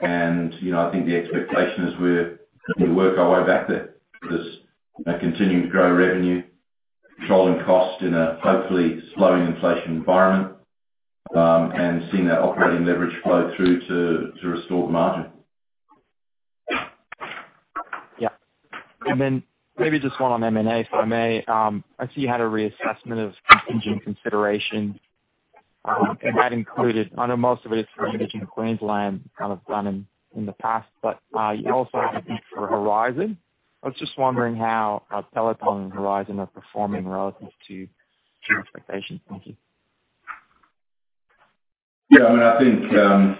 And, you know, I think the expectation is we're, we work our way back there. Just continuing to grow revenue, controlling costs in a hopefully slowing inflation environment, and seeing that operating leverage flow through to, to restore the margin. Yeah. And then maybe just one on M&A, if I may. I see you had a reassessment of contingent consideration, and that included... I know most of it is for Imaging Queensland, kind of done in the past, but you also had it for Horizon. I was just wondering how Peloton and Horizon are performing relative to- Sure. Your expectations. Thank you. Yeah, I mean, I think,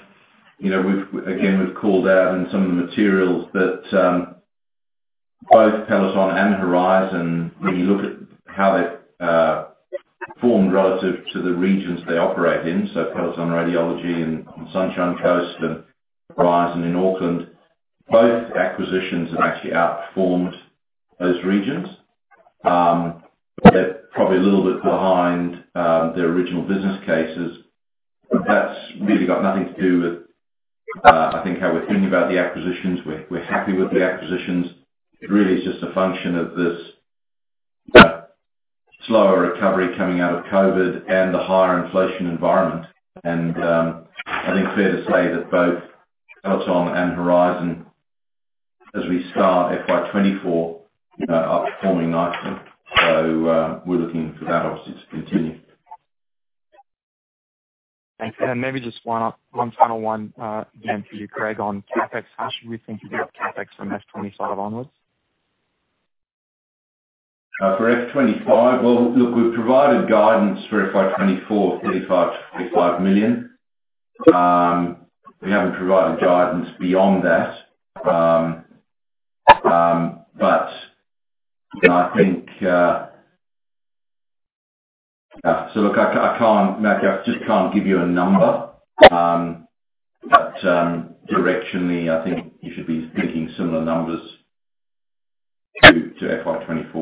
you know, we've again called out in some of the materials that both Peloton and Horizon, when you look at how they performed relative to the regions they operate in, so Peloton Radiology in Sunshine Coast and Horizon in Auckland, both acquisitions have actually outperformed those regions. They're probably a little bit behind their original business cases. But that's really got nothing to do with, I think, how we're feeling about the acquisitions. We're happy with the acquisitions. It really is just a function of this slower recovery coming out of COVID and the higher inflation environment. And I think fair to say that both Peloton and Horizon, as we start FY 2024, are performing nicely. So we're looking for that, obviously, to continue. Thanks. Maybe just one-off, one final one, again, for you, Craig, on CapEx. How should we think about CapEx from FY25 onwards? For FY 2025? Well, look, we've provided guidance for FY 2024, 35 million-45 million. We haven't provided guidance beyond that. But, you know, I think... So look, I, I can't, Matthew, I just can't give you a number. But, directionally, I think you should be thinking similar numbers to, to FY 2024. I think. Probably, and,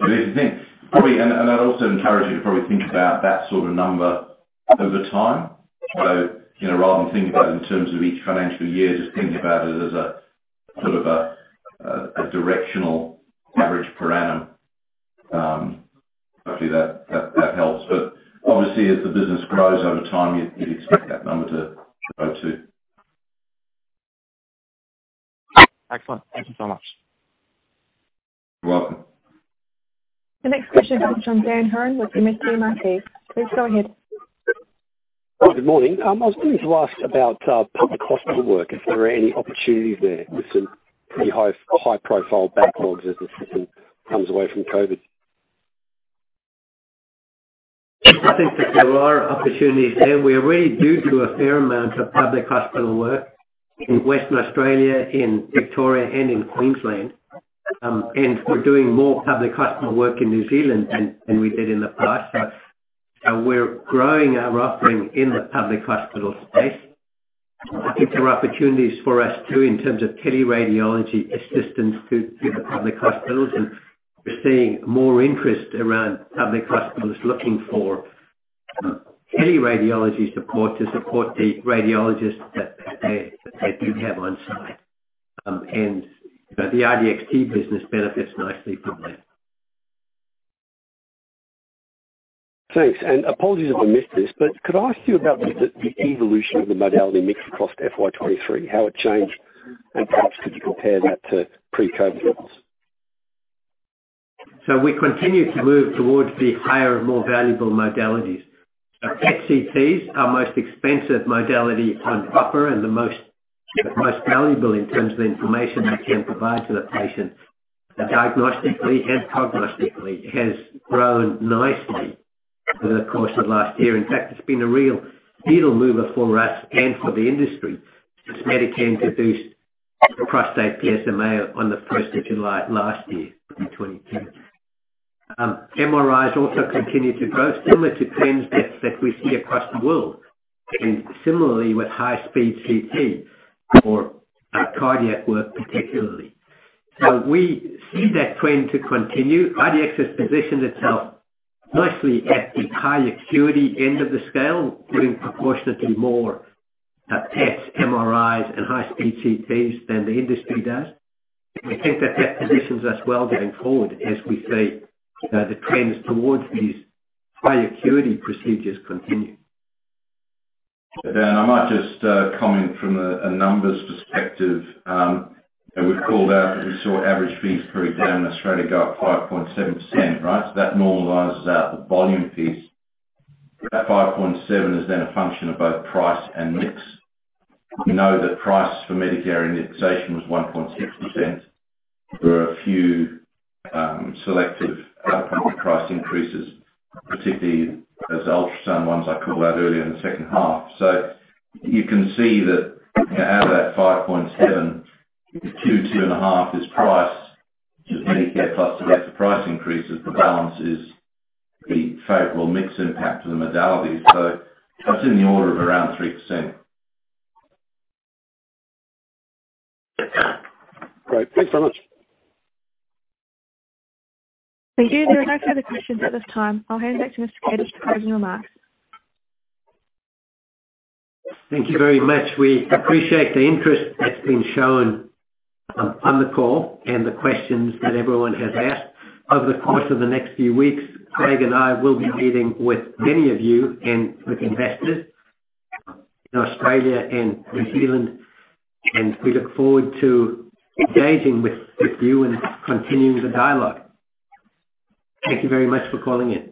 and I'd also encourage you to probably think about that sort of number over time. So, you know, rather than think about it in terms of each financial year, just think about it as a sort of directional average per annum. Hopefully that helps. But obviously, as the business grows over time, you'd expect that number to grow, too. Excellent. Thank you so much. You're welcome. The next question comes from Dan Hurren with MST Marquee. Please go ahead. Good morning. I was going to ask about public hospital work, if there are any opportunities there with some pretty high, high-profile backlogs as the system comes away from COVID? I think that there are opportunities there. We're really doing a fair amount of public hospital work in Western Australia, in Victoria, and in Queensland. And we're doing more public hospital work in New Zealand than we did in the past. So we're growing our offering in the public hospital space. I think there are opportunities for us, too, in terms of teleradiology assistance to the public hospitals, and we're seeing more interest around public hospitals looking for teleradiology support to support the radiologists that they do have on site. And, you know, the IDXt business benefits nicely from that. Thanks, and apologies if I missed this, but could I ask you about the evolution of the modality mix across FY 2023, how it changed, and perhaps could you compare that to pre-COVID levels? So we continue to move towards the higher and more valuable modalities. CT is our most expensive modality on offer and the most, the most valuable in terms of the information it can provide to the patient, diagnostically and prognostically, has grown nicely over the course of last year. In fact, it's been a real needle mover for us and for the industry. Since Medicare introduced prostate PSMA on the first of July last year, 2022. MRIs also continued to grow, similar to trends that we see across the world, and similarly with high-speed CT for cardiac work, particularly. So we see that trend to continue. IDX has positioned itself nicely at the high acuity end of the scale, doing proportionately more tests, MRIs, and high-speed CTs than the industry does. We think that that positions us well going forward as we see the trends towards these high acuity procedures continue. I might just comment from a numbers perspective. And we called out that we saw average fees per exam in Australia go up 5.7%, right? So that normalizes out the volume piece. That 5.7% is then a function of both price and mix. We know that price for Medicare indexation was 1.6%. There were a few selective price increases, particularly those ultrasound ones I called out earlier in the second half. So you can see that, you know, out of that 5.7, 2-2.5 is price. Medicare plus the price increases, the balance is the favorable mix impact of the modalities. So that's in the order of around 3%. Great. Thanks so much. Thank you. There are no further questions at this time. I'll hand it back to Mr. Kadish for closing remarks. Thank you very much. We appreciate the interest that's been shown on the call and the questions that everyone has asked. Over the course of the next few weeks, Craig and I will be meeting with many of you and with investors in Australia and New Zealand, and we look forward to engaging with, with you and continuing the dialogue. Thank you very much for calling in.